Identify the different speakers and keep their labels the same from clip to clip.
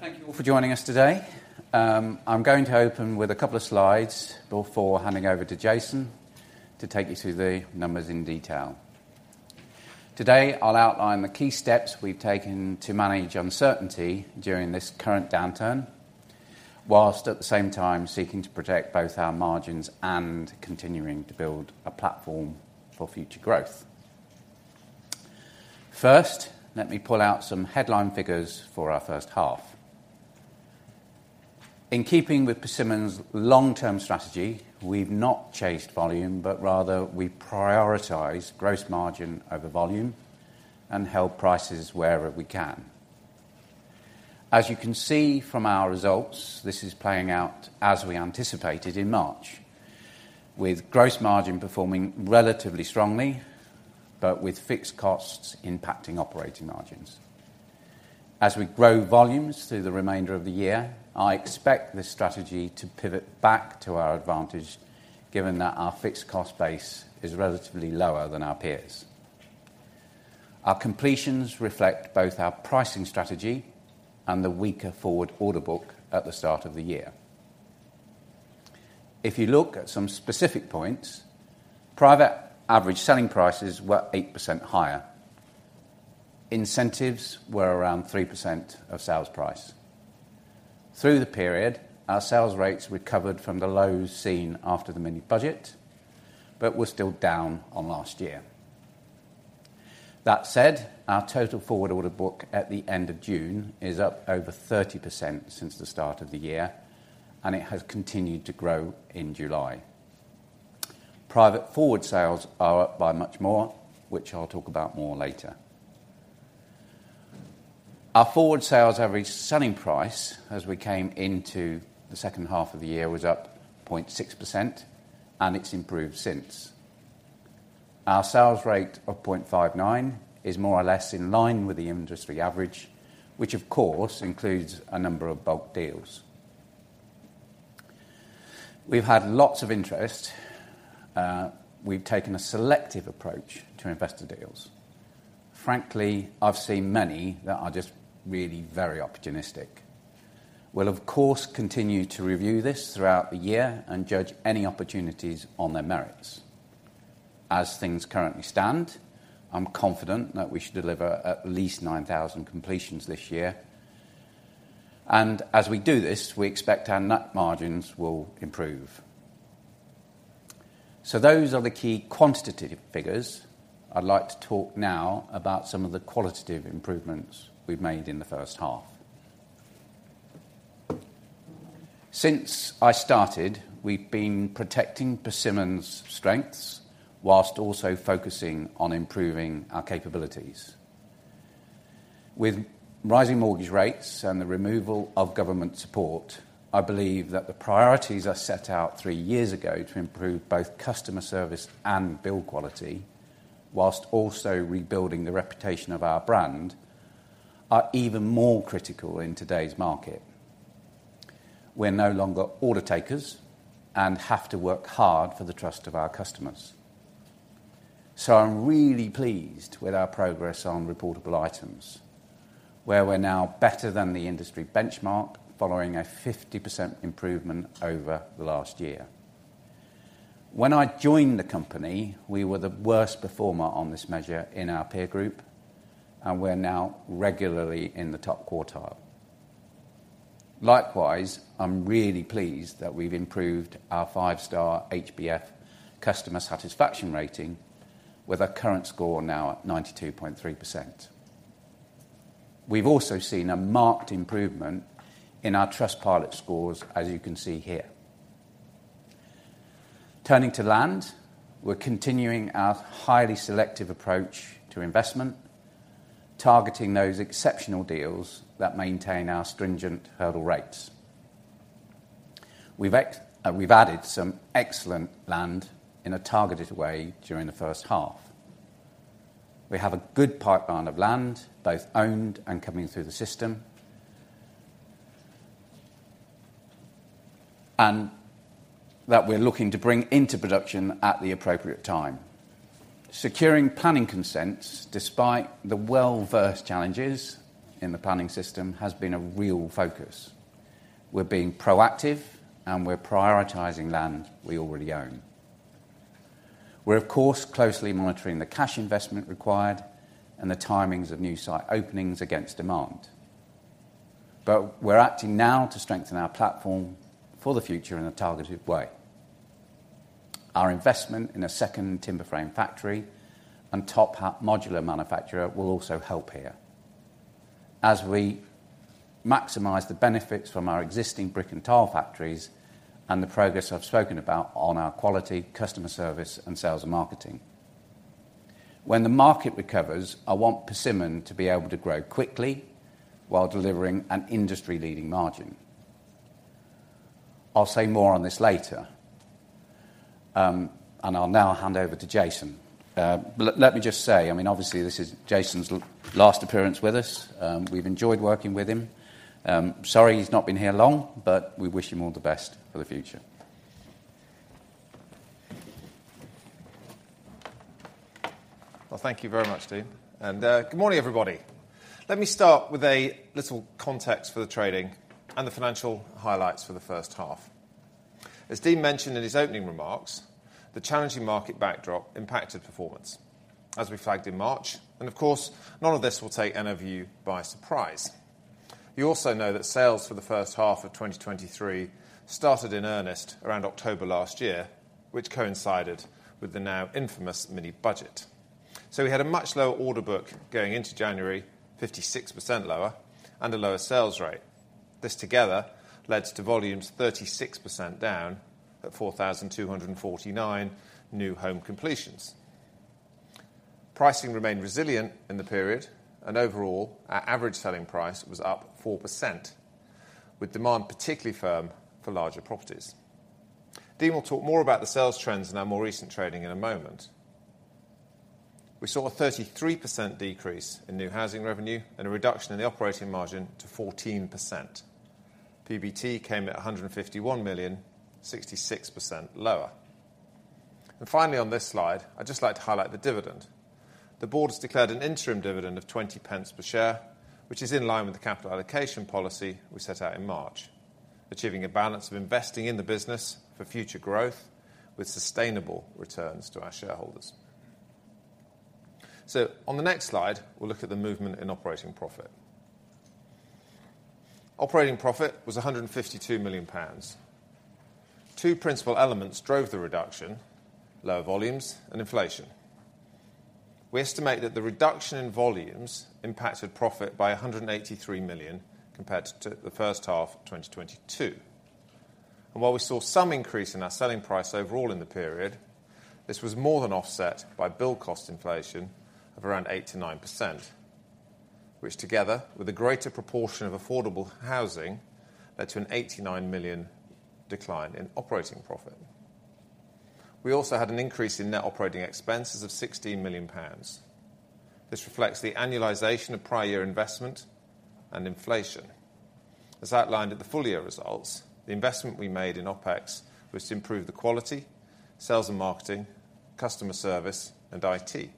Speaker 1: Thank you all for joining us today. I'm going to open with a couple of slides before handing over to Jason to take you through the numbers in detail. Today, I'll outline the key steps we've taken to manage uncertainty during this current downturn, while at the same time seeking to protect both our margins and continuing to build a platform for future growth. First, let me pull out some headline figures for our first half. In keeping with Persimmon's long-term strategy, we've not chased volume, but rather we prioritize gross margin over volume and held prices wherever we can. As you can see from our results, this is playing out as we anticipated in March, with gross margin performing relatively strongly, but with fixed costs impacting operating margins. As we grow volumes through the remainder of the year, I expect this strategy to pivot back to our advantage, given that our fixed cost base is relatively lower than our peers. Our completions reflect both our pricing strategy and the weaker forward order book at the start of the year. If you look at some specific points, private average selling prices were 8% higher. Incentives were around 3% of sales price. Through the period, our sales rates recovered from the lows seen after the Mini-Budget, but were still down on last year. That said, our total forward order book at the end of June is up over 30% since the start of the year, and it has continued to grow in July. Private forward sales are up by much more, which I'll talk about more later. Our forward sales average selling price, as we came into the second half of the year, was up 0.6%. It's improved since. Our sales rate of 0.59 is more or less in line with the industry average, which, of course, includes a number of bulk deals. We've had lots of interest. We've taken a selective approach to investor deals. Frankly, I've seen many that are just really very opportunistic. We'll, of course, continue to review this throughout the year and judge any opportunities on their merits. As things currently stand, I'm confident that we should deliver at least 9,000 completions this year. As we do this, we expect our net margins will improve. Those are the key quantitative figures. I'd like to talk now about some of the qualitative improvements we've made in the first half. Since I started, we've been protecting Persimmon's strengths while also focusing on improving our capabilities. With rising mortgage rates and the removal of government support, I believe that the priorities I set out three years ago to improve both customer service and build quality, while also rebuilding the reputation of our brand, are even more critical in today's market. We're no longer order takers and have to work hard for the trust of our customers. I'm really pleased with our progress on reportable items, where we're now better than the industry benchmark, following a 50% improvement over the last year. When I joined the company, we were the worst performer on this measure in our peer group, and we're now regularly in the top quartile. Likewise, I'm really pleased that we've improved our five-star HBF customer satisfaction rating with our current score now at 92.3%. We've also seen a marked improvement in our Trustpilot scores, as you can see here. Turning to land, we're continuing our highly selective approach to investment, targeting those exceptional deals that maintain our stringent hurdle rates. We've added some excellent land in a targeted way during the first half. We have a good pipeline of land, both owned and coming through the system, and that we're looking to bring into production at the appropriate time. Securing planning consents, despite the well-versed challenges in the planning system, has been a real focus. We're being proactive and we're prioritizing land we already own. We're, of course, closely monitoring the cash investment required and the timings of new site openings against demand. We're acting now to strengthen our platform for the future in a targeted way. Our investment in a second timber frame factory and TopHat modular manufacturer will also help here, as we maximize the benefits from our existing brick and tile factories and the progress I've spoken about on our quality, customer service, and sales and marketing. When the market recovers, I want Persimmon to be able to grow quickly while delivering an industry-leading margin. I'll say more on this later. I'll now hand over to Jason. Let me just say, I mean, obviously, this is Jason's last appearance with us. We've enjoyed working with him. Sorry he's not been here long, but we wish him all the best for the future.
Speaker 2: Well, thank you very much, Dean, and good morning, everybody. Let me start with a little context for the trading and the financial highlights for the first half. As Dean mentioned in his opening remarks, the challenging market backdrop impacted performance as we flagged in March. Of course, none of this will take any of you by surprise. You also know that sales for the first half of 2023 started in earnest around October last year, which coincided with the now infamous Mini-Budget. We had a much lower order book going into January, 56% lower, and a lower sales rate. This together led to volumes 36% down at 4,249 new home completions. Pricing remained resilient in the period. Overall, our average selling price was up 4%, with demand particularly firm for larger properties. Dean will talk more about the sales trends and our more recent trading in a moment. We saw a 33% decrease in new housing revenue and a reduction in the operating margin to 14%. PBT came at 151 million, 66% lower. Finally, on this slide, I'd just like to highlight the dividend. The board has declared an interim dividend of 0.20 per share, which is in line with the capital allocation policy we set out in March. Achieving a balance of investing in the business for future growth with sustainable returns to our shareholders. On the next slide, we'll look at the movement in operating profit. Operating profit was 152 million pounds. Two principal elements drove the reduction: lower volumes and inflation. We estimate that the reduction in volumes impacted profit by 183 million compared to the first half of 2022. While we saw some increase in our selling price overall in the period, this was more than offset by build cost inflation of around 8%-9%, which together, with a greater proportion of affordable housing, led to a 89 million decline in operating profit. We also had an increase in net operating expenses of GBP 16 million. This reflects the annualization of prior year investment and inflation. As outlined at the full year results, the investment we made in OpEx was to improve the quality, sales and marketing, customer service, and IT,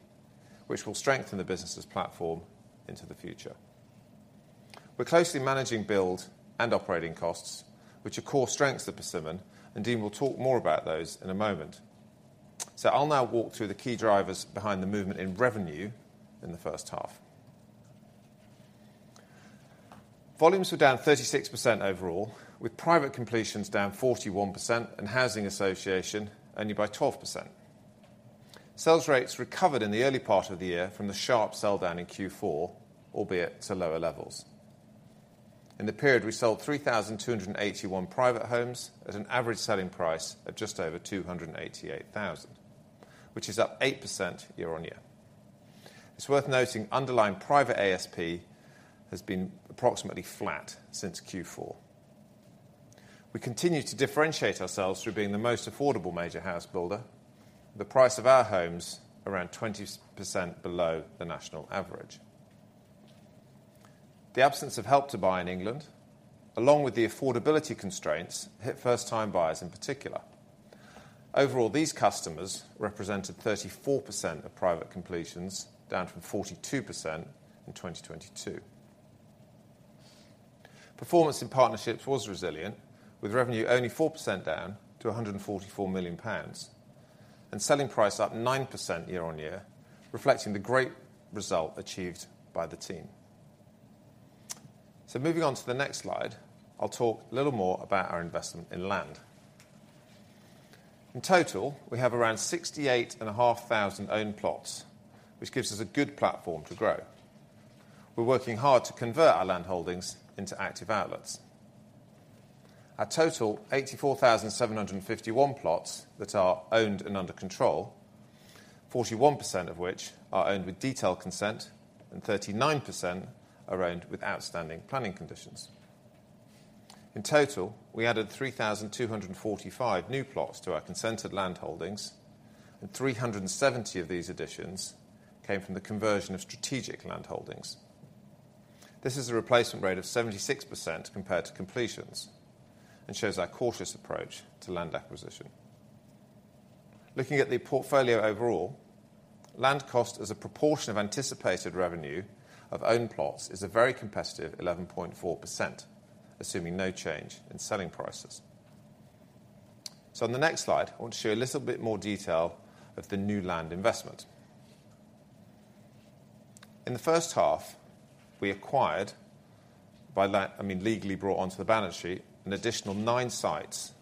Speaker 2: which will strengthen the business's platform into the future. We're closely managing build and operating costs, which are core strengths of Persimmon. Dean will talk more about those in a moment. I'll now walk through the key drivers behind the movement in revenue in the first half. Volumes were down 36% overall, with private completions down 41% and housing association only by 12%. Sales rates recovered in the early part of the year from the sharp sell-down in Q4, albeit to lower levels. In the period, we sold 3,281 private homes at an average selling price of just over 288,000, which is up 8% year-over-year. It's worth noting, underlying private ASP has been approximately flat since Q4. We continue to differentiate ourselves through being the most affordable major house builder, the price of our homes around 20% below the national average. The absence of Help to Buy in England, along with the affordability constraints, hit first-time buyers in particular. Overall, these customers represented 34% of private completions, down from 42% in 2022. Performance in partnerships was resilient, with revenue only 4% down to 144 million pounds and selling price up 9% year-over-year, reflecting the great result achieved by the team. Moving on to the next slide, I'll talk a little more about our investment in land. In total, we have around 68,500 own plots, which gives us a good platform to grow. We're working hard to convert our land holdings into active outlets. Our total, 84,751 plots that are owned and under control, 41% of which are owned with detailed consent and 39% are owned with outstanding planning conditions. In total, we added 3,245 new plots to our consented land holdings. Three hundred and seventy of these additions came from the conversion of strategic land holdings. This is a replacement rate of 76% compared to completions and shows our cautious approach to land acquisition. Looking at the portfolio overall, land cost as a proportion of anticipated revenue of own plots is a very competitive 11.4%, assuming no change in selling prices. In the next slide, I want to show you a little bit more detail of the new land investment. In the first half, we acquired, by that, I mean, legally brought onto the balance sheet, an additional nine sites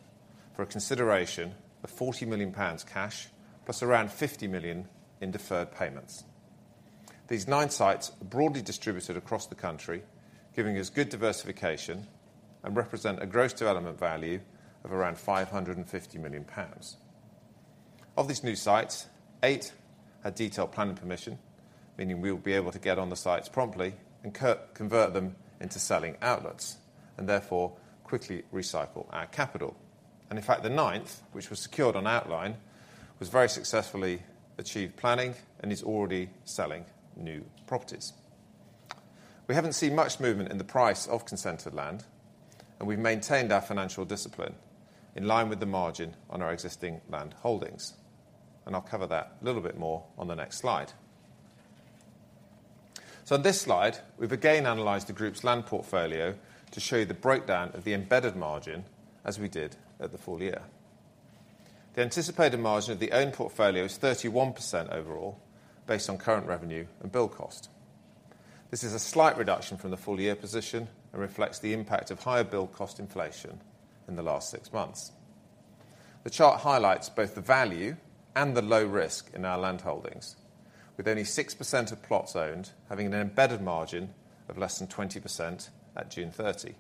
Speaker 2: for a consideration of 40 million pounds cash, plus around 50 million in deferred payments. These nine sites are broadly distributed across the country, giving us good diversification and represent a gross development value of around 550 million pounds. Of these new sites, eight had detailed planning permission, meaning we will be able to get on the sites promptly and convert them into selling outlets, and therefore, quickly recycle our capital. In fact, the ninth, which was secured on outline, was very successfully achieved planning and is already selling new properties. We haven't seen much movement in the price of consented land, and we've maintained our financial discipline in line with the margin on our existing land holdings. I'll cover that a little bit more on the next slide. On this slide, we've again analyzed the group's land portfolio to show you the breakdown of the embedded margin, as we did at the full year. The anticipated margin of the owned portfolio is 31% overall, based on current revenue and build cost. This is a slight reduction from the full-year position and reflects the impact of higher build cost inflation in the last six months. The chart highlights both the value and the low risk in our land holdings, with only 6% of plots owned having an embedded margin of less than 20% at June 30.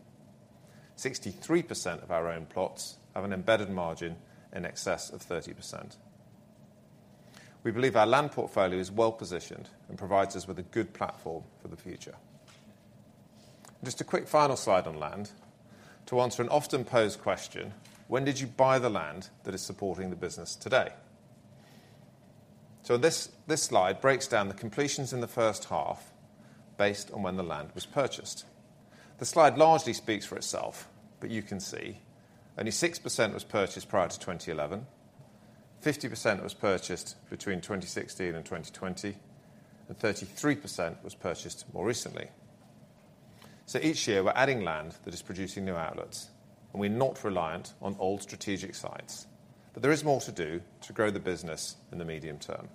Speaker 2: 63% of our own plots have an embedded margin in excess of 30%. We believe our land portfolio is well-positioned and provides us with a good platform for the future. Just a quick final slide on land to answer an often-posed question: When did you buy the land that is supporting the business today? This, this slide breaks down the completions in the first half based on when the land was purchased. The slide largely speaks for itself, you can see only 6% was purchased prior to 2011, 50% was purchased between 2016 and 2020, 33% was purchased more recently. Each year, we're adding land that is producing new outlets, we're not reliant on old strategic sites. There is more to do to grow the business in the medium term.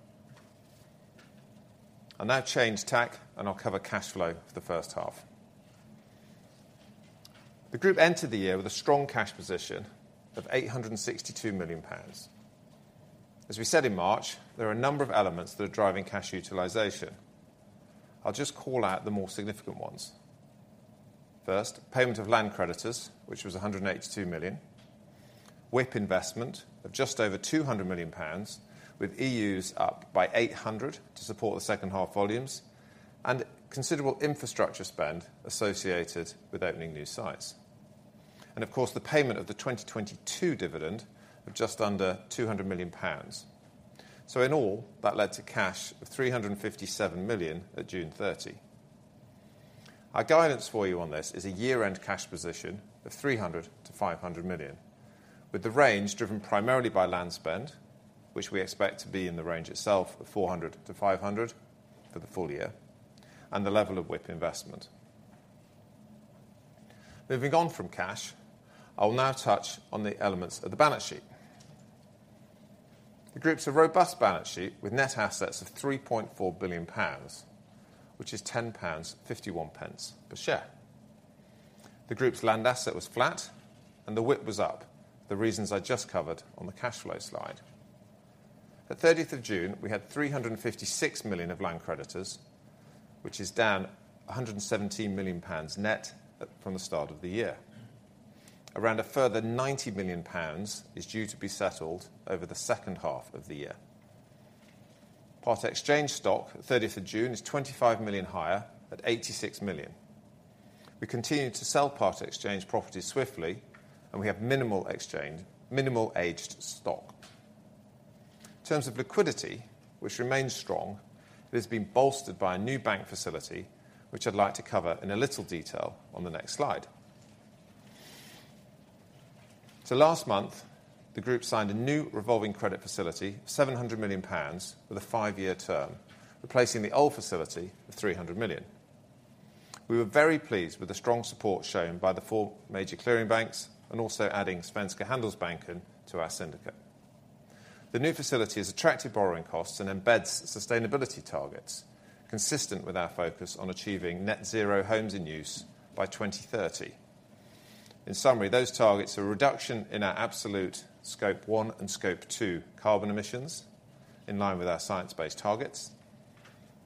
Speaker 2: I'll now change tack, I'll cover cash flow for the first half. The group entered the year with a strong cash position of 862 million pounds. As we said in March, there are a number of elements that are driving cash utilization. I'll just call out the more significant ones. First, payment of land creditors, which was 182 million. WIP investment of just over 200 million pounds, with EUs up by 800 to support the second half volumes, and considerable infrastructure spend associated with opening new sites. Of course, the payment of the 2022 dividend of just under 200 million pounds. In all, that led to cash of 357 million at June 30. Our guidance for you on this is a year-end cash position of 300 million-500 million, with the range driven primarily by land spend, which we expect to be in the range itself of 400 million-500 million for the full year, and the level of WIP investment. Moving on from cash, I will now touch on the elements of the balance sheet. The group's a robust balance sheet with net assets of 3.4 billion pounds, which is 10.51 pounds per share. The group's land asset was flat. The WIP was up, the reasons I just covered on the cash flow slide. At 30th of June, we had 356 million of land creditors, which is down 117 million pounds net from the start of the year. Around a further 90 million pounds is due to be settled over the second half of the year. Part exchange stock at 30th of June is 25 million higher at 86 million. We continued to sell part exchange properties swiftly. We have minimal exchange, minimal aged stock. In terms of liquidity, which remains strong, it has been bolstered by a new bank facility, which I'd like to cover in a little detail on the next slide. Last month, the group signed a new revolving credit facility, GBP 700 million, with a 5-year term, replacing the old facility of GBP 300 million. We were very pleased with the strong support shown by the four major clearing banks and also adding Svenska Handelsbanken to our syndicate. The new facility has attractive borrowing costs and embeds sustainability targets, consistent with our focus on achieving net zero homes in use by 2030. In summary, those targets are a reduction in our absolute Scope 1 and Scope 2 carbon emissions, in line with our Science-Based Targets,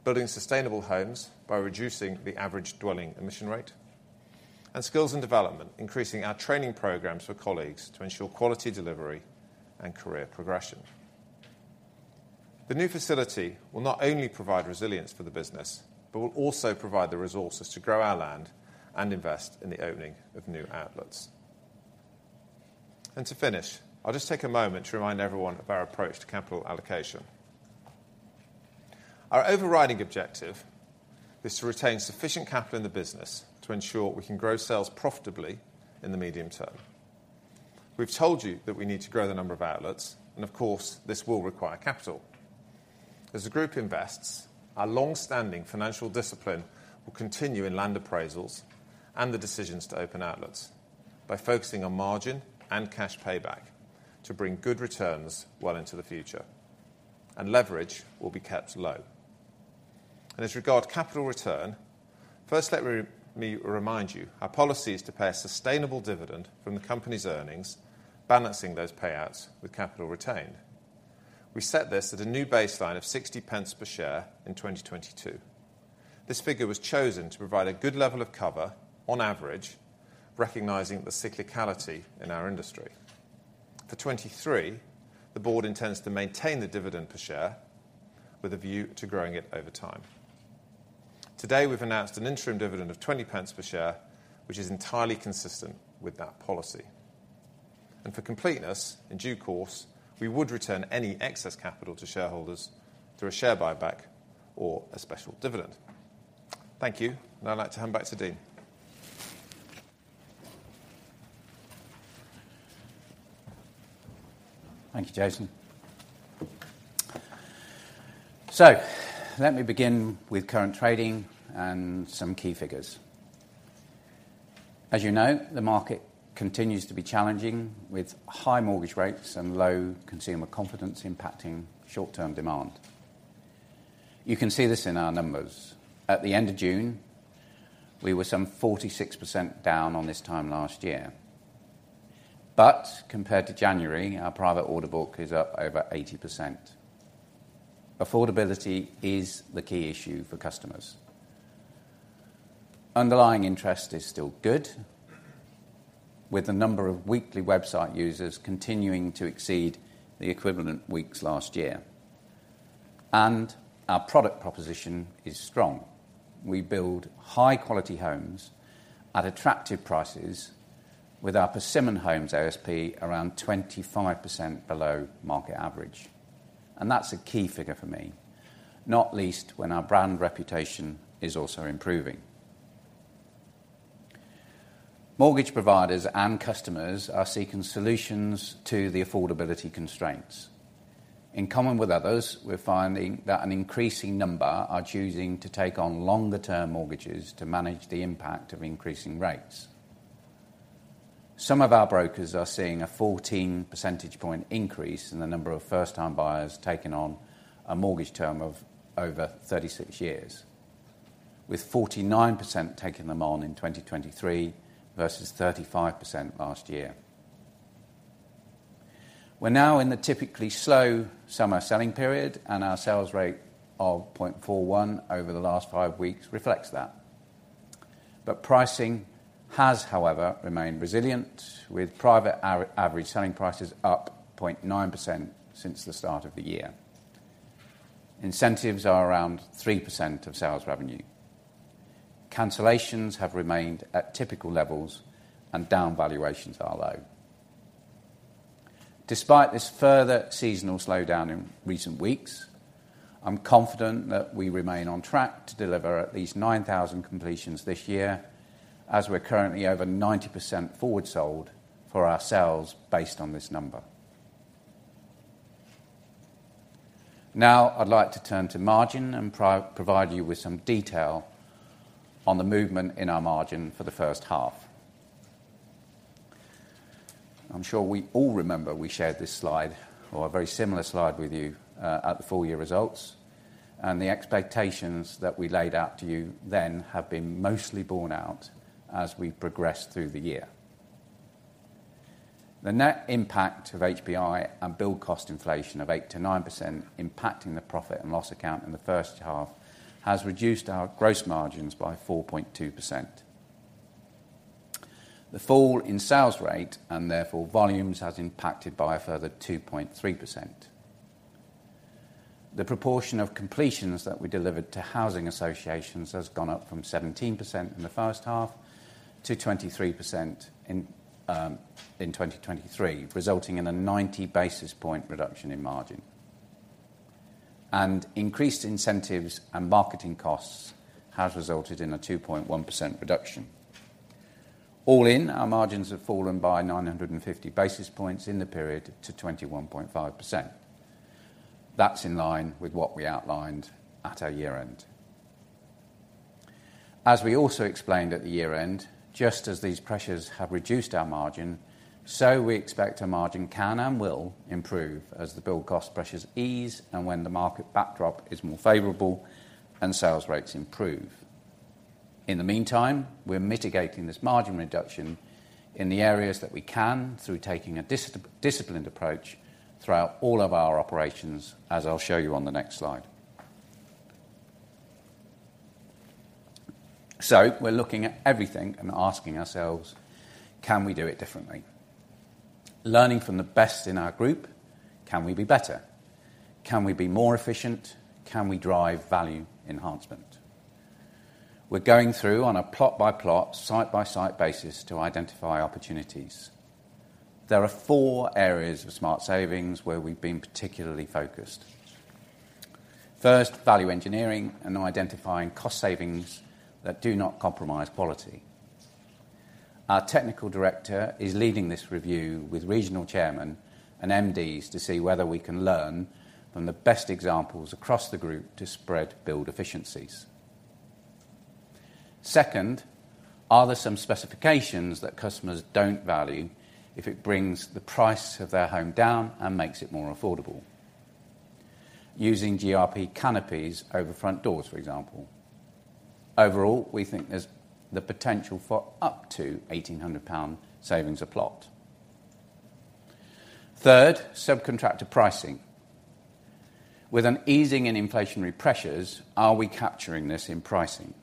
Speaker 2: building sustainable homes by reducing the average Dwelling Emission Rate, and skills and development, increasing our training programs for colleagues to ensure quality delivery and career progression. The new facility will not only provide resilience for the business, but will also provide the resources to grow our land and invest in the opening of new outlets. To finish, I'll just take a moment to remind everyone of our approach to capital allocation. Our overriding objective is to retain sufficient capital in the business to ensure we can grow sales profitably in the medium term. We've told you that we need to grow the number of outlets, and of course, this will require capital. As the group invests, our long-standing financial discipline will continue in land appraisals and the decisions to open outlets by focusing on margin and cash payback to bring good returns well into the future, leverage will be kept low. As regard capital return, first, let me remind you, our policy is to pay a sustainable dividend from the company's earnings, balancing those payouts with capital retained. We set this at a new baseline of 0.60 per share in 2022. This figure was chosen to provide a good level of cover, on average, recognizing the cyclicality in our industry. For 2023, the board intends to maintain the dividend per share with a view to growing it over time. Today, we've announced an interim dividend of 0.20 per share, which is entirely consistent with that policy. For completeness, in due course, we would return any excess capital to shareholders through a share buyback or a special dividend. Thank you, and I'd like to hand back to Dean.
Speaker 1: Thank you, Jason. Let me begin with current trading and some key figures. As you know, the market continues to be challenging, with high mortgage rates and low consumer confidence impacting short-term demand. You can see this in our numbers. At the end of June, we were some 46% down on this time last year. Compared to January, our private order book is up over 80%. Affordability is the key issue for customers. Underlying interest is still good, with the number of weekly website users continuing to exceed the equivalent weeks last year, and our product proposition is strong. We build high-quality homes at attractive prices with our Persimmon Homes ASP around 25% below market average. That's a key figure for me, not least when our brand reputation is also improving. Mortgage providers and customers are seeking solutions to the affordability constraints. In common with others, we're finding that an increasing number are choosing to take on longer term mortgages to manage the impact of increasing rates. Some of our brokers are seeing a 14 percentage point increase in the number of first-time buyers taking on a mortgage term of over 36 years, with 49% taking them on in 2023 versus 35% last year. We're now in the typically slow summer selling period, our sales rate of 0.41 over the last 5 weeks reflects that. Pricing has, however, remained resilient, with private average selling prices up 0.9% since the start of the year. Incentives are around 3% of sales revenue. Cancellations have remained at typical levels and down valuations are low. Despite this further seasonal slowdown in recent weeks, I'm confident that we remain on track to deliver at least 9,000 completions this year, as we're currently over 90% forward sold for our sales based on this number. I'd like to turn to margin and provide you with some detail on the movement in our margin for the first half. I'm sure we all remember we shared this slide, or a very similar slide with you, at the full year results. The expectations that we laid out to you then have been mostly borne out as we progressed through the year. The net impact of HPI and build cost inflation of 8%-9%, impacting the profit and loss account in the first half, has reduced our gross margins by 4.2%. The fall in sales rate, and therefore volumes, has impacted by a further 2.3%. The proportion of completions that we delivered to housing associations has gone up from 17% in the first half to 23% in 2023, resulting in a 90 basis point reduction in margin. Increased incentives and marketing costs has resulted in a 2.1% reduction. All in, our margins have fallen by 950 basis points in the period to 21.5%. That's in line with what we outlined at our year-end. As we also explained at the year-end, just as these pressures have reduced our margin, so we expect our margin can and will improve as the build cost pressures ease and when the market backdrop is more favorable and sales rates improve. In the meantime, we're mitigating this margin reduction in the areas that we can through taking a disciplined approach throughout all of our operations, as I'll show you on the next slide. We're looking at everything and asking ourselves: Can we do it differently? Learning from the best in our group, can we be better? Can we be more efficient? Can we drive value enhancement? We're going through on a plot-by-plot, site-by-site basis to identify opportunities. There are four areas of smart savings where we've been particularly focused. First, value engineering and identifying cost savings that do not compromise quality. Our technical director is leading this review with regional chairman and MDs to see whether we can learn from the best examples across the group to spread build efficiencies. Second, are there some specifications that customers don't value if it brings the price of their home down and makes it more affordable? Using GRP canopies over front doors, for example. Overall, we think there's the potential for up to 1,800 pound savings a plot. Third, subcontractor pricing. With an easing in inflationary pressures, are we capturing this in pricing?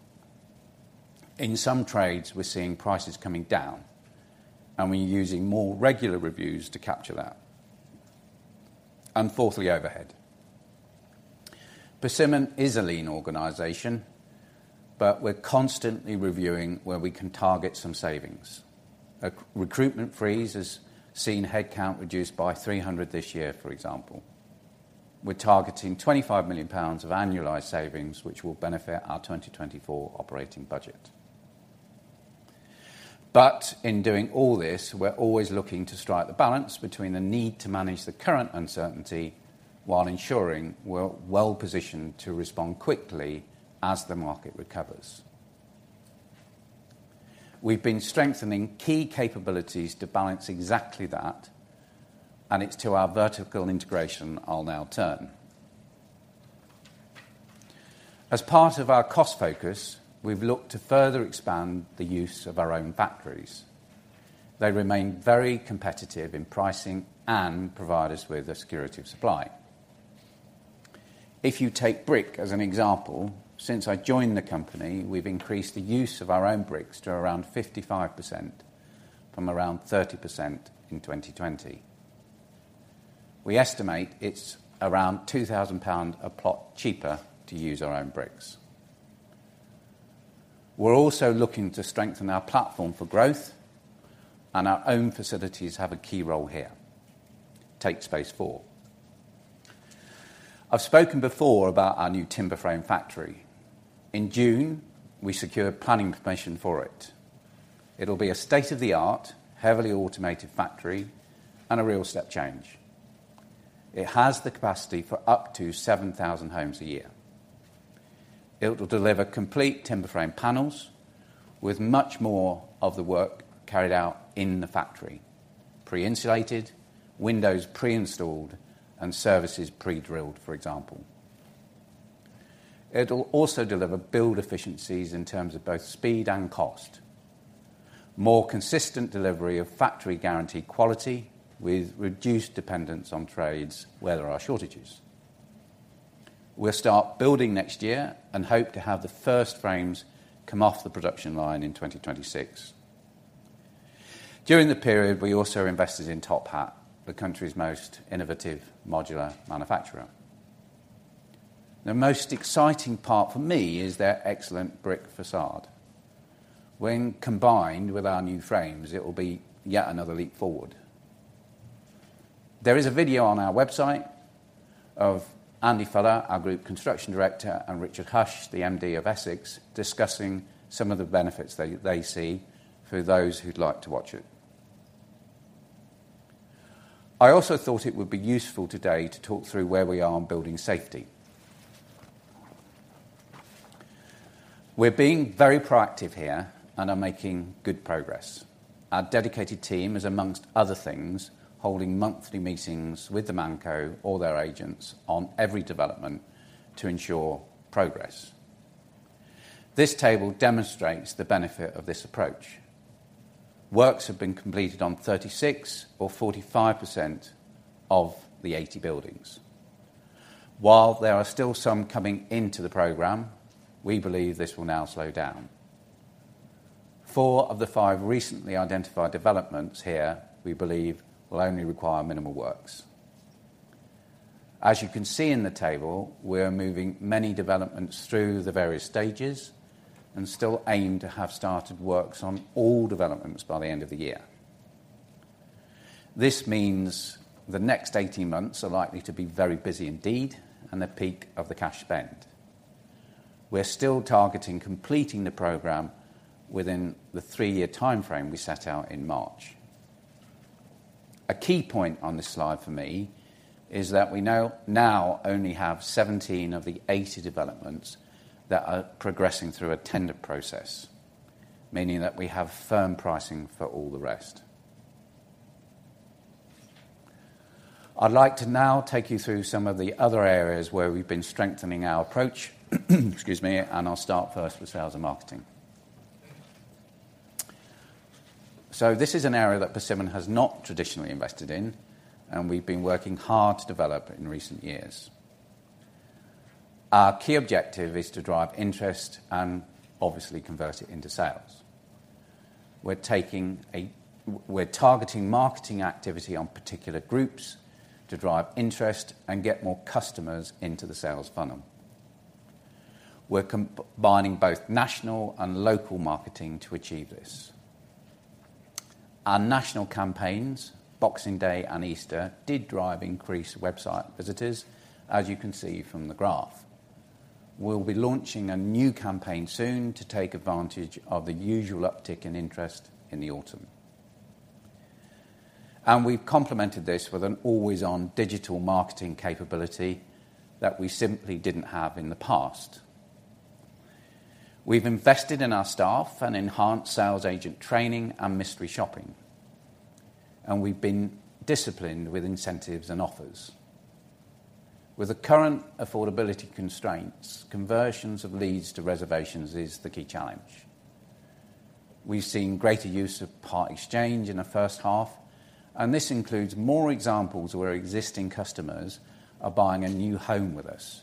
Speaker 1: In some trades, we're seeing prices coming down, we're using more regular reviews to capture that. Fourthly, overhead. Persimmon is a lean organization, but we're constantly reviewing where we can target some savings. A recruitment freeze has seen headcount reduced by 300 this year, for example. We're targeting 25 million pounds of annualized savings, which will benefit our 2024 operating budget. In doing all this, we're always looking to strike the balance between the need to manage the current uncertainty while ensuring we're well positioned to respond quickly as the market recovers. We've been strengthening key capabilities to balance exactly that. It's to our vertical integration I'll now turn. As part of our cost focus, we've looked to further expand the use of our own factories. They remain very competitive in pricing and provide us with a security of supply. If you take brick as an example, since I joined the company, we've increased the use of our own bricks to around 55%, from around 30% in 2020. We estimate it's around 2,000 pound a plot cheaper to use our own bricks. We're also looking to strengthen our platform for growth. Our own facilities have a key role here. Take Space4. I've spoken before about our new timber frame factory. In June, we secured planning permission for it. It'll be a state-of-the-art, heavily automated factory and a real step change. It has the capacity for up to 7,000 homes a year. It will deliver complete timber frame panels with much more of the work carried out in the factory, pre-insulated, windows pre-installed, and services pre-drilled, for example. It'll also deliver build efficiencies in terms of both speed and cost, more consistent delivery of factory guaranteed quality, with reduced dependence on trades where there are shortages. We'll start building next year and hope to have the first frames come off the production line in 2026. During the period, we also invested in TopHat, the country's most innovative modular manufacturer. The most exciting part for me is their excellent brick facade. When combined with our new frames, it will be yet another leap forward. There is a video on our website of Andy Faller, our Group Construction Director, and Richard Hush, the MD of Essex, discussing some of the benefits they, they see for those who'd like to watch it. I also thought it would be useful today to talk through where we are on building safety. We're being very proactive here and are making good progress. Our dedicated team is, amongst other things, holding monthly meetings with the ManCo or their agents on every development to ensure progress. This table demonstrates the benefit of this approach. Works have been completed on 36 or 45% of the 80 buildings. While there are still some coming into the program, we believe this will now slow down. 4 of the 5 recently identified developments here, we believe will only require minimal works. As you can see in the table, we're moving many developments through the various stages and still aim to have started works on all developments by the end of the year. This means the next 18 months are likely to be very busy indeed and the peak of the cash spend. We're still targeting completing the program within the 3-year timeframe we set out in March. A key point on this slide for me is that we now only have 17 of the 80 developments that are progressing through a tender process, meaning that we have firm pricing for all the rest. I'd like to now take you through some of the other areas where we've been strengthening our approach, excuse me, I'll start first with sales and marketing. This is an area that Persimmon has not traditionally invested in, and we've been working hard to develop it in recent years. Our key objective is to drive interest and obviously convert it into sales. We're targeting marketing activity on particular groups to drive interest and get more customers into the sales funnel. We're combining both national and local marketing to achieve this. Our national campaigns, Boxing Day and Easter, did drive increased website visitors, as you can see from the graph. We'll be launching a new campaign soon to take advantage of the usual uptick in interest in the autumn. We've complemented this with an always-on digital marketing capability that we simply didn't have in the past. We've invested in our staff and enhanced sales agent training and mystery shopping, and we've been disciplined with incentives and offers. With the current affordability constraints, conversions of leads to reservations is the key challenge. We've seen greater use of part exchange in the first half. This includes more examples where existing customers are buying a new home with us.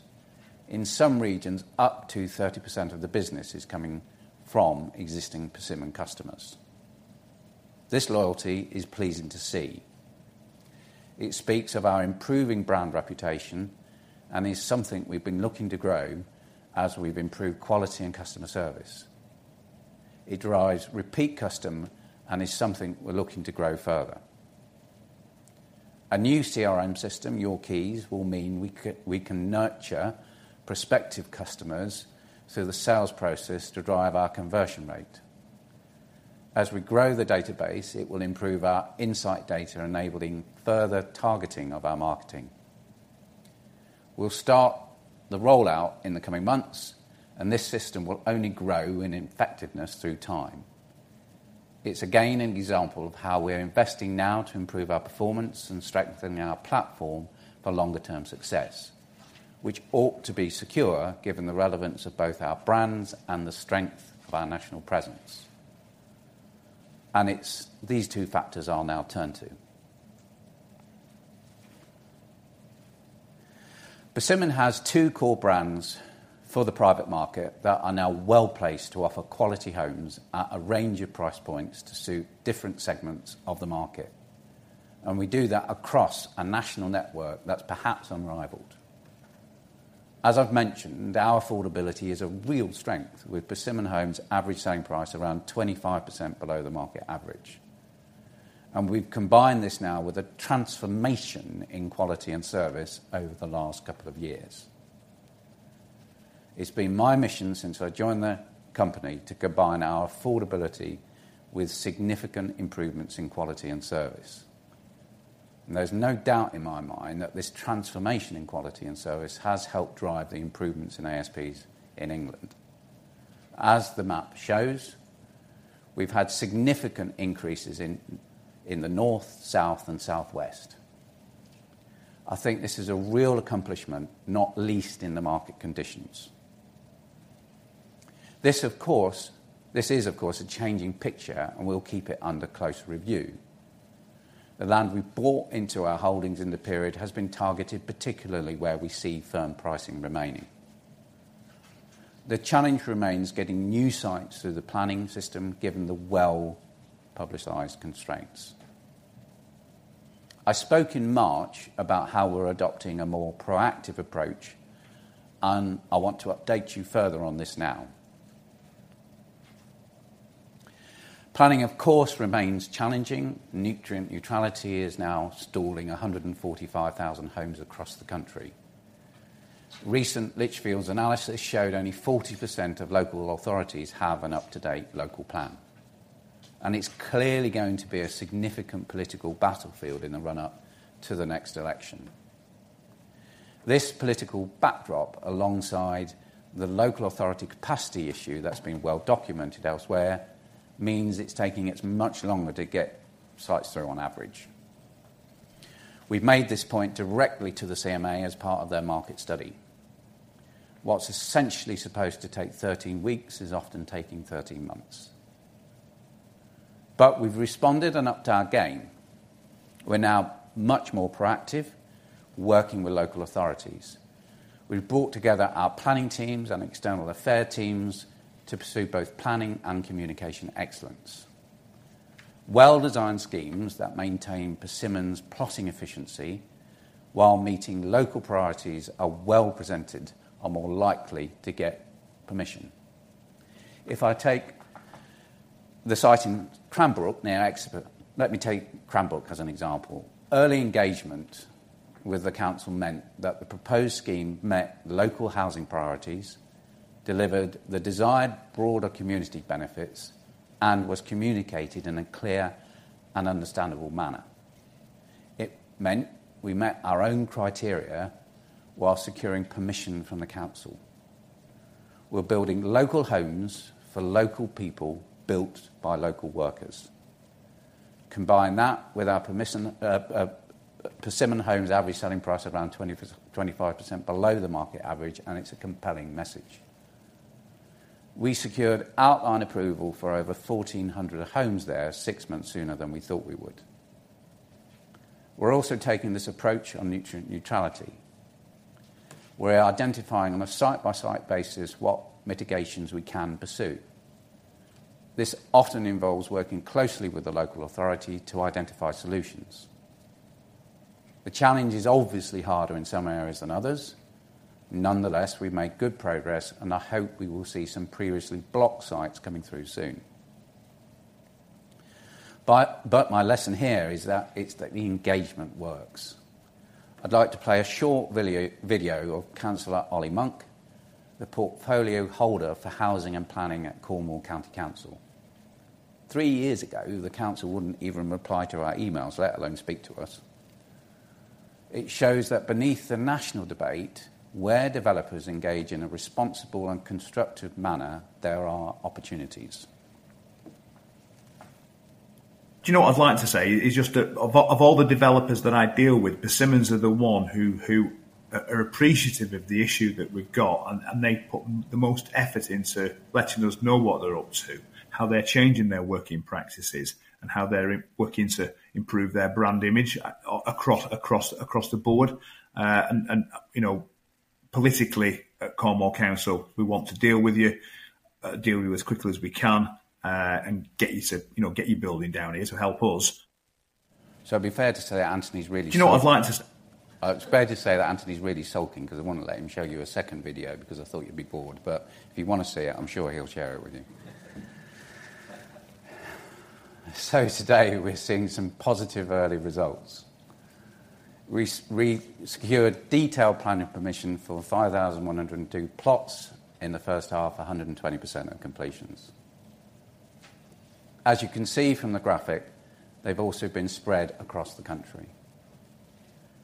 Speaker 1: In some regions, up to 30% of the business is coming from existing Persimmon customers. This loyalty is pleasing to see. It speaks of our improving brand reputation and is something we've been looking to grow as we've improved quality and customer service. It drives repeat custom and is something we're looking to grow further. A new CRM system, Yourkeys, will mean we can nurture prospective customers through the sales process to drive our conversion rate. As we grow the database, it will improve our insight data, enabling further targeting of our marketing. We'll start the rollout in the coming months. This system will only grow in effectiveness through time. It's again an example of how we're investing now to improve our performance and strengthening our platform for longer term success, which ought to be secure, given the relevance of both our brands and the strength of our national presence. It's these two factors I'll now turn to. Persimmon has two core brands for the private market that are now well-placed to offer quality homes at a range of price points to suit different segments of the market, and we do that across a national network that's perhaps unrivaled. As I've mentioned, our affordability is a real strength, with Persimmon Homes' average selling price around 25% below the market average, and we've combined this now with a transformation in quality and service over the last couple of years. It's been my mission since I joined the company to combine our affordability with significant improvements in quality and service, and there's no doubt in my mind that this transformation in quality and service has helped drive the improvements in ASPs in England. As the map shows, we've had significant increases in, in the North, South, and Southwest. I think this is a real accomplishment, not least in the market conditions. This, of course... This is, of course, a changing picture, and we'll keep it under close review. The land we bought into our holdings in the period has been targeted, particularly where we see firm pricing remaining. The challenge remains getting new sites through the planning system, given the well-publicized constraints. I spoke in March about how we're adopting a more proactive approach, and I want to update you further on this now. Planning, of course, remains challenging. Nutrient neutrality is now stalling 145,000 homes across the country. Recent Lichfields analysis showed only 40% of local authorities have an up-to-date local plan, it's clearly going to be a significant political battlefield in the run-up to the next election. This political backdrop, alongside the local authority capacity issue that's been well documented elsewhere, means it's taking it much longer to get sites through on average. We've made this point directly to the CMA as part of their market study. What's essentially supposed to take 13 weeks is often taking 13 months. We've responded and upped our game. We're now much more proactive, working with local authorities. We've brought together our planning teams and external affair teams to pursue both planning and communication excellence. Well-designed schemes that maintain Persimmon's plotting efficiency while meeting local priorities are well presented, are more likely to get permission. If I take the site in Cranbrook, near Exeter, let me take Cranbrook as an example. Early engagement with the council meant that the proposed scheme met the local housing priorities, delivered the desired broader community benefits, and was communicated in a clear and understandable manner. It meant we met our own criteria while securing permission from the council. We're building local homes for local people, built by local workers. Combine that with our permission, Persimmon Homes' average selling price around 20%-25% below the market average, and it's a compelling message. We secured outline approval for over 1,400 homes there, six months sooner than we thought we would. We're also taking this approach on nutrient neutrality. We're identifying on a site-by-site basis what mitigations we can pursue. This often involves working closely with the local authority to identify solutions. The challenge is obviously harder in some areas than others. Nonetheless, we've made good progress, and I hope we will see some previously blocked sites coming through soon. My lesson here is that, it's that the engagement works. I'd like to play a short video of Councillor Olly Monk, the portfolio holder for housing and planning at Cornwall Council. Three years ago, the council wouldn't even reply to our emails, let alone speak to us. It shows that beneath the national debate, where developers engage in a responsible and constructive manner, there are opportunities.
Speaker 3: Do you know what I'd like to say? Is just that of all, of all the developers that I deal with, Persimmon are the one who, who are, are appreciative of the issue that we've got, and, and they put the most effort into letting us know what they're up to, how they're changing their working practices, and how they're working to improve their brand image across, across, across the board. And, and, you know, politically, at Cornwall Council, we want to deal with you, deal with you as quickly as we can, and get you to, you know, get you building down here to help us.
Speaker 1: It'd be fair to say that Anthony's really sulking.
Speaker 3: Do you know what I'd like to.
Speaker 1: It's fair to say that Anthony's really sulking, 'cause I wanted to let him show you a second video because I thought you'd be bored, if you want to see it, I'm sure he'll share it with you. Today we're seeing some positive early results. We secured detailed planning permission for 5,102 plots in the first half, 120% of completions. As you can see from the graphic, they've also been spread across the country.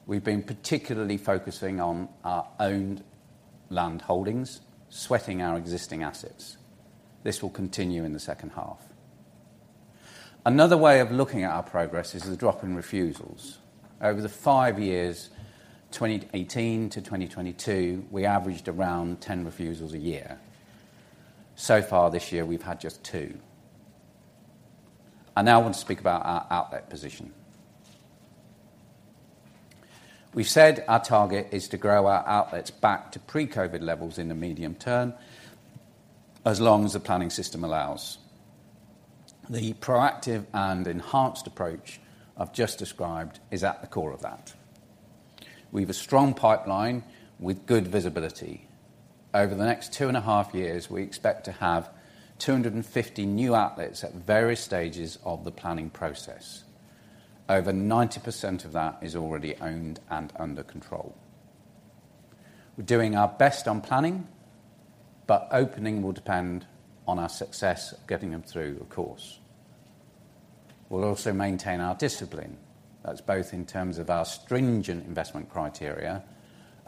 Speaker 1: We've been particularly focusing on our owned land holdings, sweating our existing assets. This will continue in the second half. Another way of looking at our progress is the drop in refusals. Over the five years, 2018 to 2022, we averaged around 10 refusals a year. Far this year, we've had just two. I now want to speak about our outlet position. We've said our target is to grow our outlets back to pre-COVID levels in the medium term, as long as the planning system allows. The proactive and enhanced approach I've just described is at the core of that. We've a strong pipeline with good visibility. Over the next 2.5 years, we expect to have 250 new outlets at various stages of the planning process. Over 90% of that is already owned and under control. We're doing our best on planning, but opening will depend on our success of getting them through, of course. We'll also maintain our discipline. That's both in terms of our stringent investment criteria,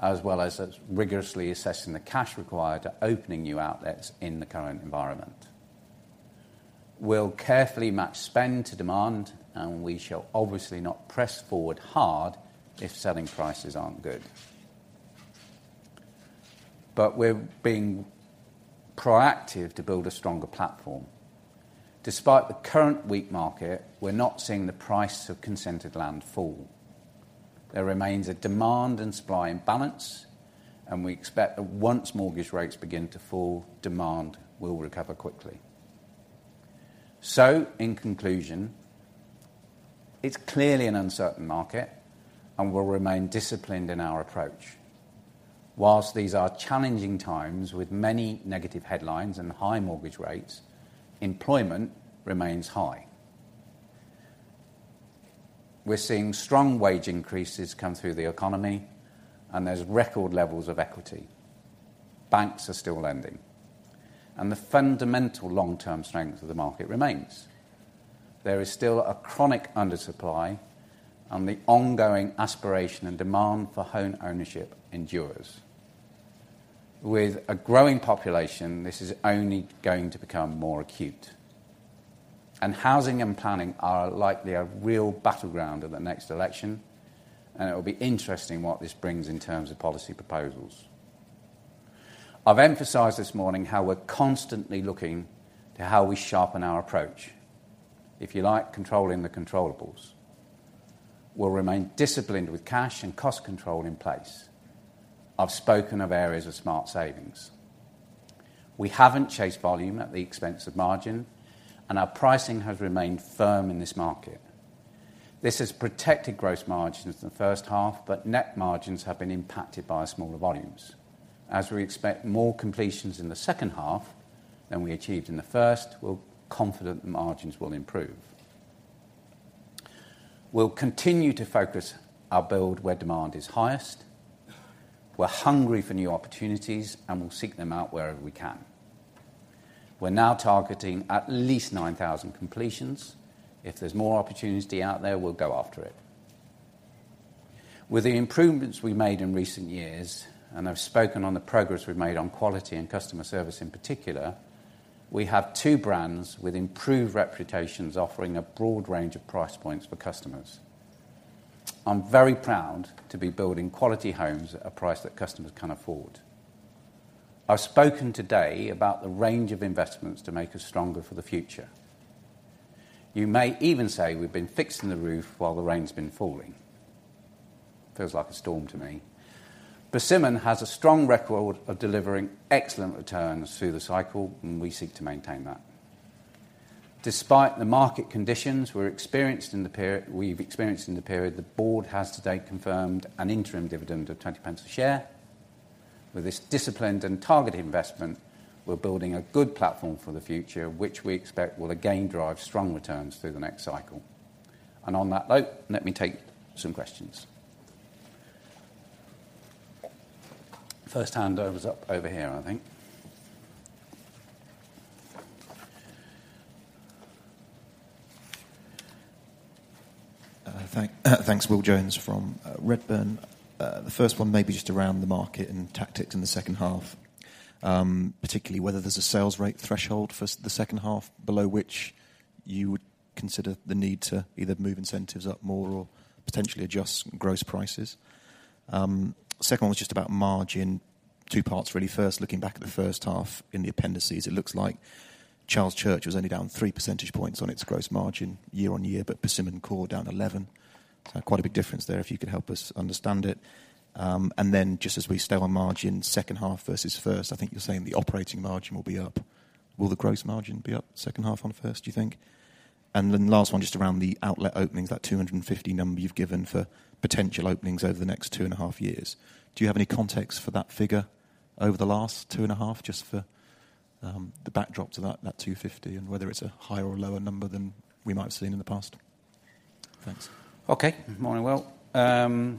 Speaker 1: as well as us rigorously assessing the cash required to opening new outlets in the current environment. We'll carefully match spend to demand. We shall obviously not press forward hard if selling prices aren't good. We're being proactive to build a stronger platform. Despite the current weak market, we're not seeing the price of consented land fall. There remains a demand and supply imbalance. We expect that once mortgage rates begin to fall, demand will recover quickly. In conclusion, it's clearly an uncertain market and we'll remain disciplined in our approach. Whilst these are challenging times with many negative headlines and high mortgage rates, employment remains high. We're seeing strong wage increases come through the economy. There's record levels of equity. Banks are still lending. The fundamental long-term strength of the market remains. There is still a chronic undersupply. The ongoing aspiration and demand for home ownership endures. With a growing population, this is only going to become more acute. Housing and planning are likely a real battleground at the next election. It will be interesting what this brings in terms of policy proposals. I've emphasized this morning how we're constantly looking to how we sharpen our approach. If you like, controlling the controllables. We'll remain disciplined with cash and cost control in place. I've spoken of areas of smart savings. We haven't chased volume at the expense of margin. Our pricing has remained firm in this market. This has protected gross margins in the first half. Net margins have been impacted by smaller volumes. As we expect more completions in the second half than we achieved in the first, we're confident the margins will improve. We'll continue to focus our build where demand is highest. We're hungry for new opportunities, we'll seek them out wherever we can. We're now targeting at least 9,000 completions. If there's more opportunity out there, we'll go after it. With the improvements we made in recent years, I've spoken on the progress we've made on quality and customer service in particular, we have two brands with improved reputations, offering a broad range of price points for customers. I'm very proud to be building quality homes at a price that customers can afford. I've spoken today about the range of investments to make us stronger for the future. You may even say we've been fixing the roof while the rain's been falling. Feels like a storm to me. Persimmon has a strong record of delivering excellent returns through the cycle, we seek to maintain that. Despite the market conditions we've experienced in the period, the board has today confirmed an interim dividend of 0.20 a share. With this disciplined and targeted investment, we're building a good platform for the future, which we expect will again drive strong returns through the next cycle. On that note, let me take some questions. First hand over is up over here, I think.
Speaker 4: Thanks. Will Jones from Redburn. The first one may be just around the market and tactics in the second half, particularly whether there's a sales rate threshold for the second half, below which you would consider the need to either move incentives up more or potentially adjust gross prices. Second one was just about margin. Two parts, really. First, looking back at the first half in the appendices, it looks like... Charles Church was only down three percentage points on its gross margin year-on-year, but Persimmon core down 11. Quite a big difference there, if you could help us understand it. Then just as we stay on margin, second half versus first, I think you're saying the operating margin will be up. Will the gross margin be up second half on first, do you think? Last one, just around the outlet openings, that 250 number you've given for potential openings over the next 2.5 years. Do you have any context for that figure over the last 2.5, just for the backdrop to that 250, and whether it's a higher or lower number than we might have seen in the past? Thanks.
Speaker 1: Okay. Morning, well. No,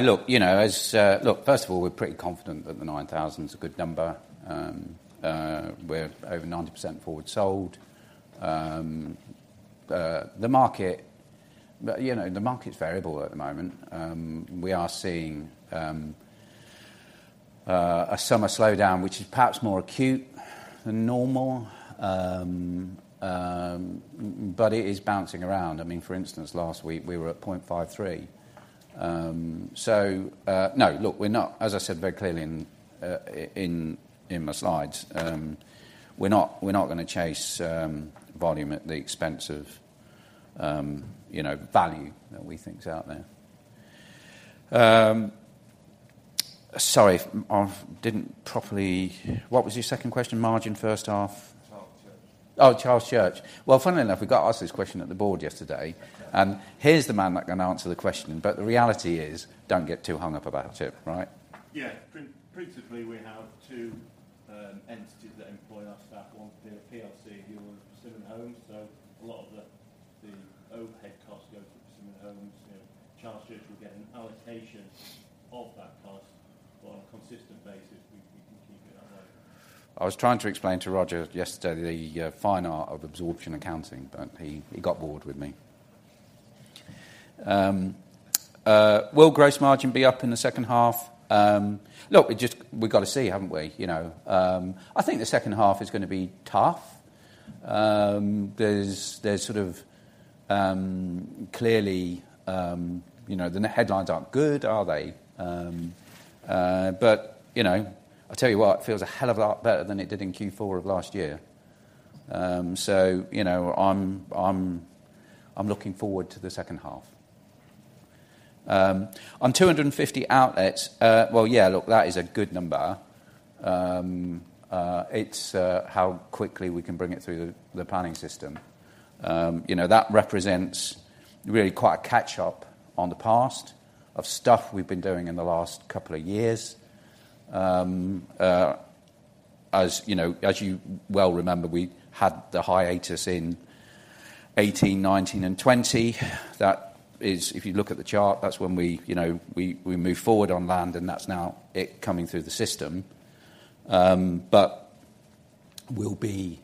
Speaker 1: look, you know, as. Look, first of all, we're pretty confident that the 9,000 is a good number. We're over 90% forward sold. The market, you know, the market is variable at the moment. We are seeing a summer slowdown, which is perhaps more acute than normal. But it is bouncing around. I mean, for instance, last week, we were at 0.53. No, look, we're not, as I said very clearly in, in my slides, we're not, we're not gonna chase volume at the expense of, you know, value that we think is out there. Sorry, I didn't properly. What was your second question? Margin, first half?
Speaker 4: Charles Church.
Speaker 1: Oh, Charles Church. Well, funnily enough, we got asked this question at the board yesterday. Here's the man that gonna answer the question. The reality is, don't get too hung up about it, right?
Speaker 5: Yeah. Principally, we have two entities that employ our staff. One, the PLC, who are Persimmon Homes. A lot of the, the overhead costs go to Persimmon Homes. You know, Charles Church will get an allocation of that cost. On a consistent basis, we, we can keep it that way.
Speaker 1: I was trying to explain to Roger yesterday the fine art of absorption accounting, but he, he got bored with me. Will gross margin be up in the second half? Look, we got to see, haven't we, you know? I think the second half is going to be tough. There's, there's sort of, clearly, you know, the headlines aren't good, are they? But, you know, I'll tell you what, it feels a hell of a lot better than it did in Q4 of last year. So, you know, I'm, I'm, I'm looking forward to the second half. On 250 outlets, well, yeah, look, that is a good number. It's, how quickly we can bring it through the, the planning system. You know, that represents really quite a catch up on the past of stuff we've been doing in the last couple of years. As you know, as you well remember, we had the hiatus in 2018, 2019, and 2020. That is, if you look at the chart, that's when we, you know, we, we moved forward on land, and that's now it coming through the system. We'll be,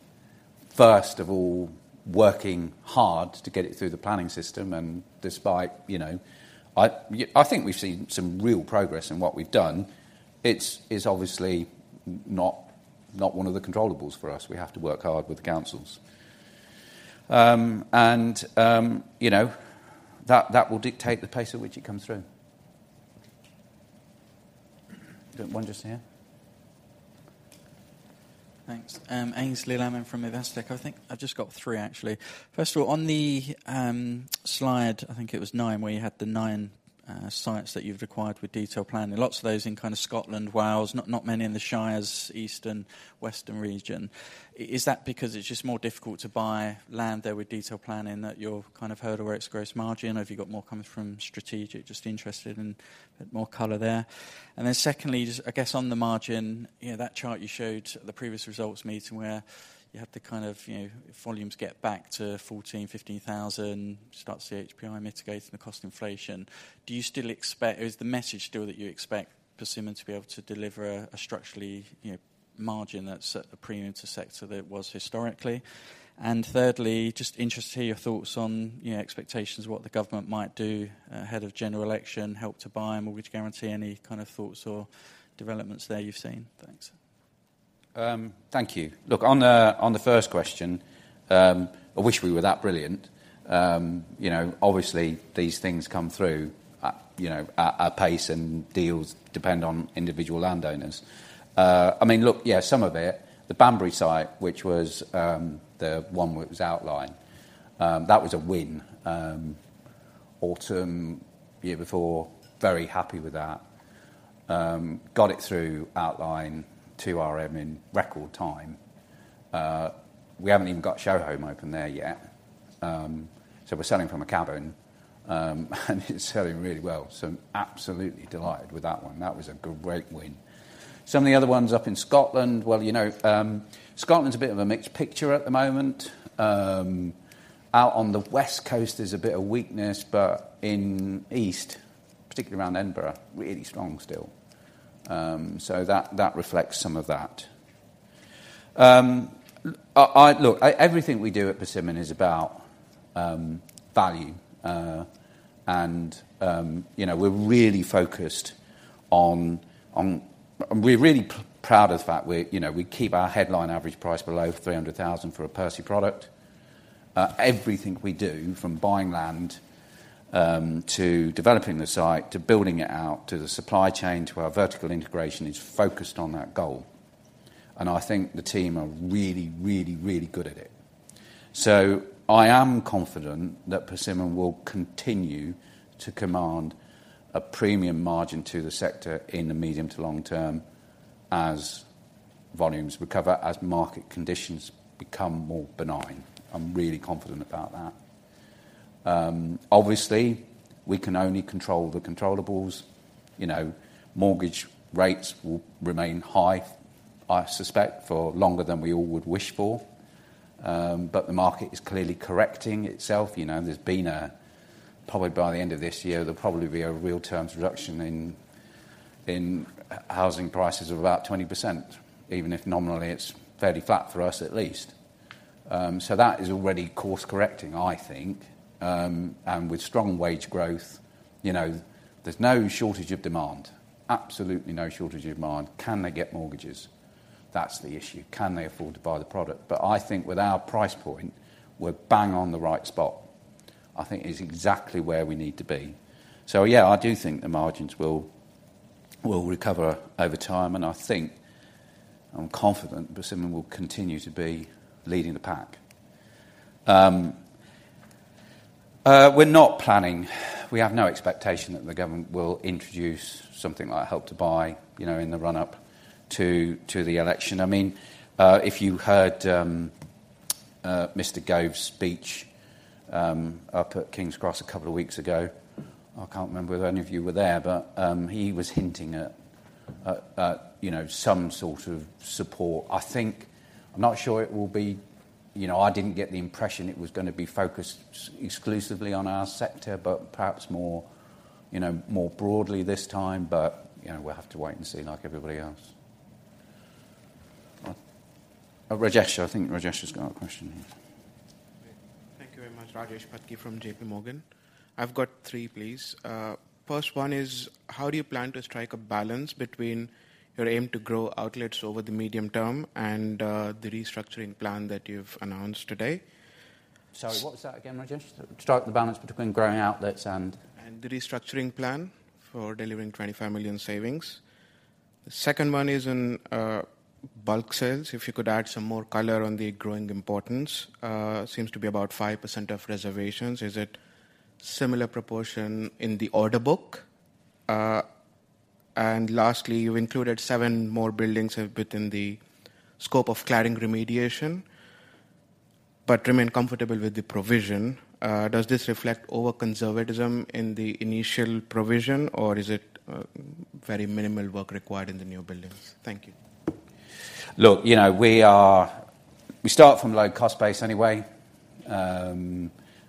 Speaker 1: first of all, working hard to get it through the planning system, and despite, you know, I, yeah, I think we've seen some real progress in what we've done. It's, it's obviously not, not one of the controllables for us. We have to work hard with the councils. You know, that, that will dictate the pace at which it comes through. Got one just here.
Speaker 6: Thanks. Aynsley Lammin from Investec. I think I've just got 3, actually. First of all, on the slide, I think it was 9, where you had the 9 sites that you've acquired with detailed planning. Lots of those in kind of Scotland, Wales, not, not many in the Shires, Eastern, Western region. Is that because it's just more difficult to buy land there with detailed planning, that you're kind of hurdle where it's gross margin, or have you got more coming from strategic? Just interested in more color there. Secondly, just I guess on the margin, you know, that chart you showed at the previous results meeting where you had the, kind of, you know, volumes get back to 14,000-15,000, start to see HPI mitigating the cost inflation. Do you still expect... Is the message still that you expect Persimmon to be able to deliver a structurally, you know, margin that's at the premium to sector that it was historically? Thirdly, just interested to hear your thoughts on, you know, expectations of what the government might do, ahead of general election, Help to Buy, mortgage guarantee, any kind of thoughts or developments there you've seen? Thanks.
Speaker 1: Thank you. Look, on the, on the first question, I wish we were that brilliant. You know, obviously, these things come through, you know, at, at pace, and deals depend on individual landowners. I mean, look, yeah, some of it, the Banbury site, which was, the one which was outlined, that was a win. Autumn, year before, very happy with that. Got it through outline to RM in record time. We haven't even got a show home open there yet, so we're selling from a cabin, and it's selling really well. I'm absolutely delighted with that one. That was a great win. Some of the other ones up in Scotland, well, you know, Scotland's a bit of a mixed picture at the moment. Out on the West Coast, there's a bit of weakness, but in East, particularly around Edinburgh, really strong still. That, that reflects some of that. Look, everything we do at Persimmon is about value, and, you know, we're really focused on. We're really proud of the fact we, you know, we keep our headline average price below 300,000 for a Persimmon product. Everything we do, from buying land, to developing the site, to building it out, to the supply chain, to our vertical integration, is focused on that goal, and I think the team are really, really, really good at it. I am confident that Persimmon will continue to command a premium margin to the sector in the medium to long term as volumes recover, as market conditions become more benign. I'm really confident about that. Obviously, we can only control the controllables. You know, mortgage rates will remain high, I suspect, for longer than we all would wish for. The market is clearly correcting itself. You know, there's been a probably by the end of this year, there'll probably be a real terms reduction in housing prices of about 20%, even if nominally, it's fairly flat for us, at least. That is already course correcting, I think. With strong wage growth, you know, there's no shortage of demand, absolutely no shortage of demand. Can they get mortgages? That's the issue. Can they afford to buy the product? I think with our price point, we're bang on the right spot. I think it's exactly where we need to be. Yeah, I do think the margins will, will recover over time, and I think, I'm confident Persimmon will continue to be leading the pack. We're not planning-- We have no expectation that the government will introduce something like Help to Buy, you know, in the run-up to, to the election. I mean, if you heard Mr. Gove's speech up at King's Cross a couple of weeks ago, I can't remember whether any of you were there, but he was hinting at, you know, some sort of support. I think... You know, I didn't get the impression it was going to be focused exclusively on our sector, but perhaps more, you know, more broadly this time. You know, we'll have to wait and see like everybody else. Rajesh. I think Rajesh has got a question here.
Speaker 7: Thank you very much. Zainab Bheekea from J.P. Morgan. I've got three, please. First one is: how do you plan to strike a balance between your aim to grow outlets over the medium term and, the restructuring plan that you've announced today?
Speaker 1: Sorry, what was that again, Rajesh? Strike the balance between growing outlets and-
Speaker 7: The restructuring plan for delivering 25 million savings. The second one is in bulk sales. If you could add some more color on the growing importance. It seems to be about 5% of reservations. Is it similar proportion in the order book? Lastly, you included 7 more buildings within the scope of cladding remediation, but remain comfortable with the provision. Does this reflect over conservatism in the initial provision, or is it very minimal work required in the new buildings? Thank you.
Speaker 1: Look, you know, we start from a low cost base anyway. You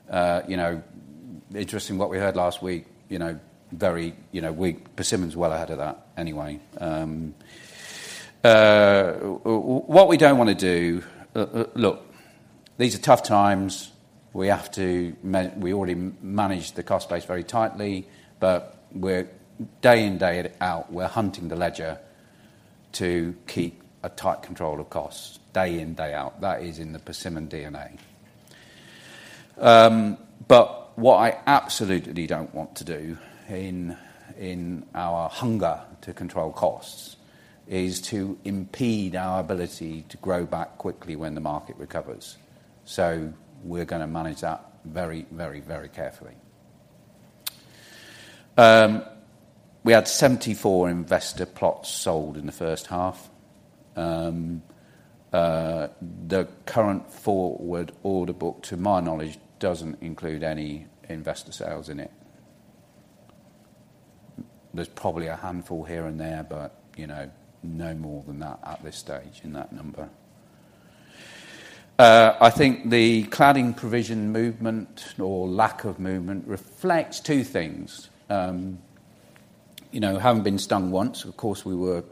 Speaker 1: know, interesting what we heard last week, you know, very, you know, Persimmon is well ahead of that anyway. What we don't want to do. Look, these are tough times. We already manage the cost base very tightly, we're, day in, day out, we're hunting the ledger to keep a tight control of costs. Day in, day out. That is in the Persimmon DNA. What I absolutely don't want to do in, in our hunger to control costs is to impede our ability to grow back quickly when the market recovers. We're gonna manage that very, very, very carefully. We had 74 investor plots sold in the first half. The current forward order book, to my knowledge, doesn't include any investor sales in it. There's probably a handful here and there, but, you know, no more than that at this stage, in that number. I think the cladding provision movement or lack of movement reflects two things. You know, having been stung once, of course, we were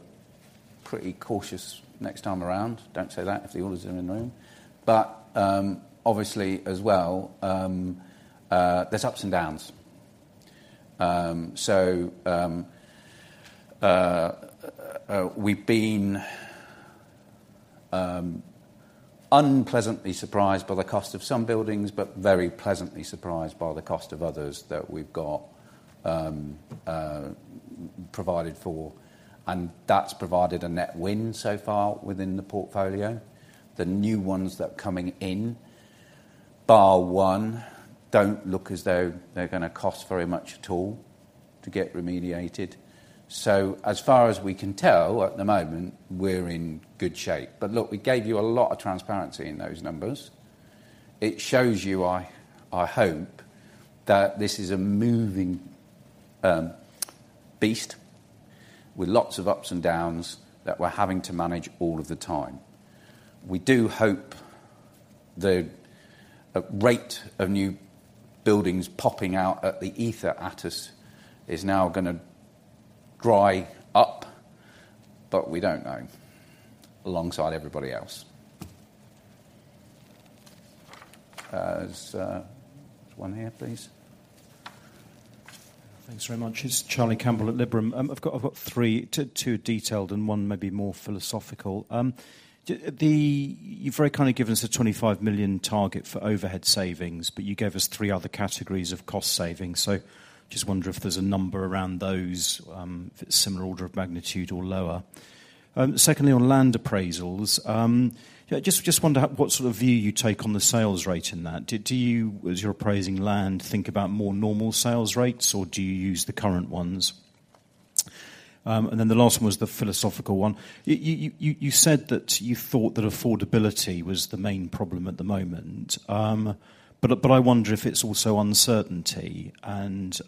Speaker 1: pretty cautious next time around. Don't say that if the auditors are in the room. Obviously as well, there's ups and downs. We've been unpleasantly surprised by the cost of some buildings, but very pleasantly surprised by the cost of others that we've got provided for, and that's provided a net win so far within the portfolio. The new ones that are coming in, bar one, don't look as though they're gonna cost very much at all to get remediated. As far as we can tell, at the moment, we're in good shape. Look, we gave you a lot of transparency in those numbers. It shows you, I, I hope, that this is a moving, beast with lots of ups and downs that we're having to manage all of the time. We do hope the rate of new buildings popping out at the ether at us is now gonna dry up, but we don't know, alongside everybody else. There's one here, please?
Speaker 8: Thanks very much. It's Charlie Campbell at Liberum. I've got, I've got 3, 2, 2 detailed, and 1 maybe more philosophical. The, you've very kindly given us a 25 million target for overhead savings, but you gave us 3 other categories of cost savings. Just wonder if there's a number around those, if it's similar order of magnitude or lower. Secondly, on land appraisals, yeah, just, just wonder what sort of view you take on the sales rate in that. Do, do you, as you're appraising land, think about more normal sales rates, or do you use the current ones? Then the last one was the philosophical one. You, you, you, you said that you thought that affordability was the main problem at the moment. I wonder if it's also uncertainty and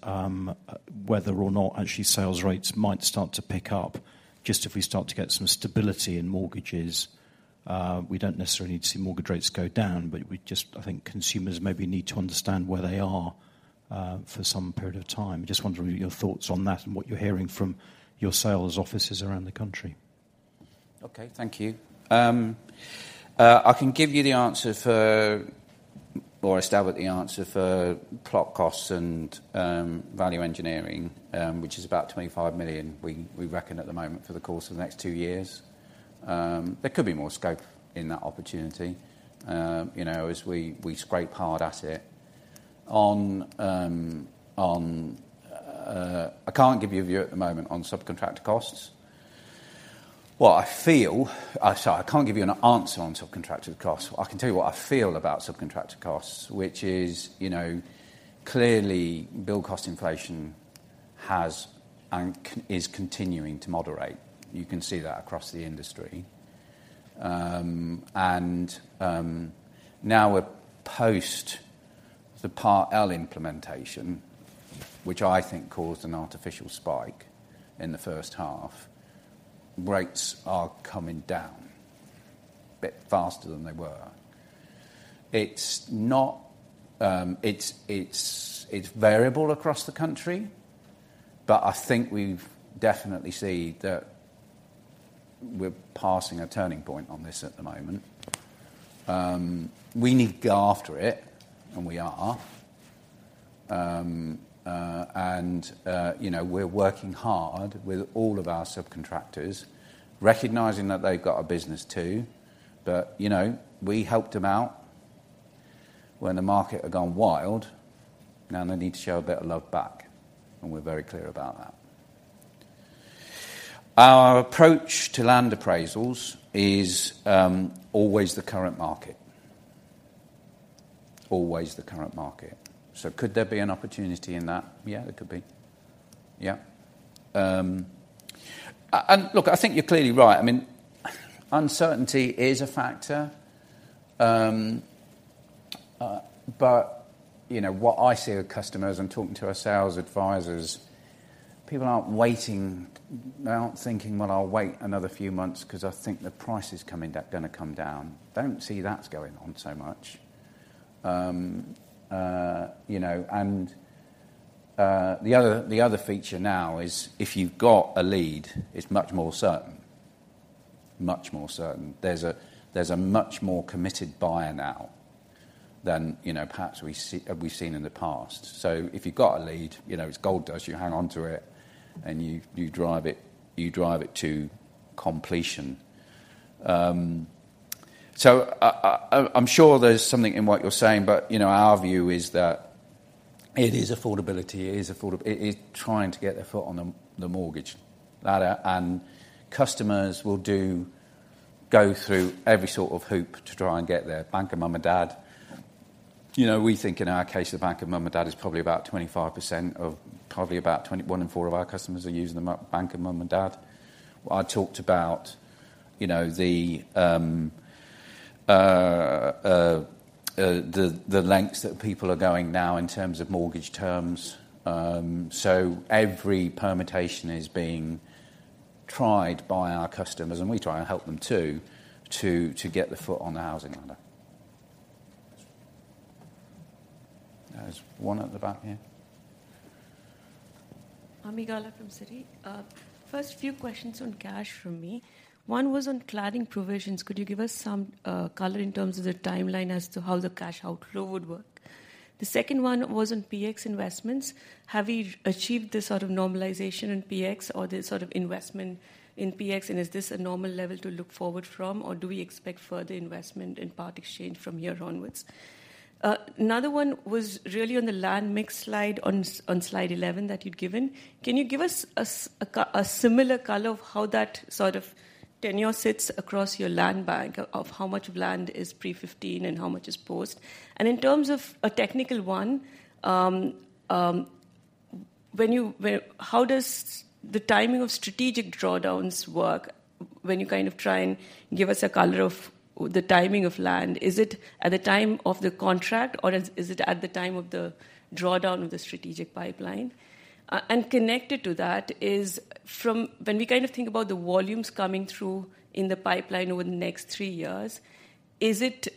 Speaker 8: whether or not actually sales rates might start to pick up just if we start to get some stability in mortgages. We don't necessarily need to see mortgage rates go down. I think consumers maybe need to understand where they are for some period of time. Just wondering your thoughts on that and what you're hearing from your sales offices around the country.
Speaker 1: Okay, thank you. I can give you the answer for, or establish the answer for plot costs and value engineering, which is about 25 million, we, we reckon at the moment for the course of the next 2 years. There could be more scope in that opportunity, you know, as we, we scrape hard at it. I can't give you a view at the moment on subcontractor costs. Sorry, I can't give you an answer on subcontractor costs. I can tell you what I feel about subcontractor costs, which is, you know, clearly, build cost inflation has and is continuing to moderate. You can see that across the industry. Now we're post the Part L implementation, which I think caused an artificial spike in the first half, rates are coming down a bit faster than they were. It's not, it's, it's, it's variable across the country, but I think we've definitely see that we're passing a turning point on this at the moment. We need to go after it, and we are. You know, we're working hard with all of our subcontractors, recognizing that they've got a business, too. You know, we helped them out when the market had gone wild, now they need to show a bit of love back, and we're very clear about that. Our approach to land appraisals is always the current market. Always the current market. Could there be an opportunity in that? Yeah, there could be. Yeah. Look, I think you're clearly right. I mean, uncertainty is a factor, you know, what I see with customers and talking to our sales advisors, people aren't waiting. They aren't thinking, "Well, I'll wait another few months 'cause I think the price is coming down, gonna come down." Don't see that's going on so much. You know, and the other, the other feature now is if you've got a lead, it's much more certain, much more certain. There's a, there's a much more committed buyer now than, you know, perhaps we've seen in the past. If you've got a lead, you know, it's gold dust, you hang on to it, and you, you drive it, you drive it to completion. I, I, I'm, I'm sure there's something in what you're saying, but, you know, our view is that it is affordability, it is trying to get their foot on the, the mortgage. That, and customers will go through every sort of hoop to try and get their bank of mum and dad. You know, we think in our case, the bank of mum and dad is probably about 25% of, probably about 20. One in four of our customers are using the bank of mum and dad. I talked about, you know, the, the lengths that people are going now in terms of mortgage terms. Every permutation is being tried by our customers, and we try and help them, too, to, to get their foot on the housing ladder. There's one at the back here.
Speaker 9: Ami Galla from Citi. First, few questions on cash from me. One was on cladding provisions. Could you give us some color in terms of the timeline as to how the cash outflow would work? The second one was on PX investments. Have you achieved the sort of normalization in PX or the sort of investment in PX, and is this a normal level to look forward from, or do we expect further investment in part exchange from here onwards? Another one was really on the land mix slide, on slide 11 that you'd given. Can you give us a similar color of how that sort of tenure sits across your land bank, of how much of land is pre-2015 and how much is post? In terms of a technical one, when you, How does the timing of strategic drawdowns work when you kind of try and give us a color of the timing of land? Is it at the time of the contract, or is it at the time of the drawdown of the strategic pipeline? Connected to that is when we kind of think about the volumes coming through in the pipeline over the next 3 years, is it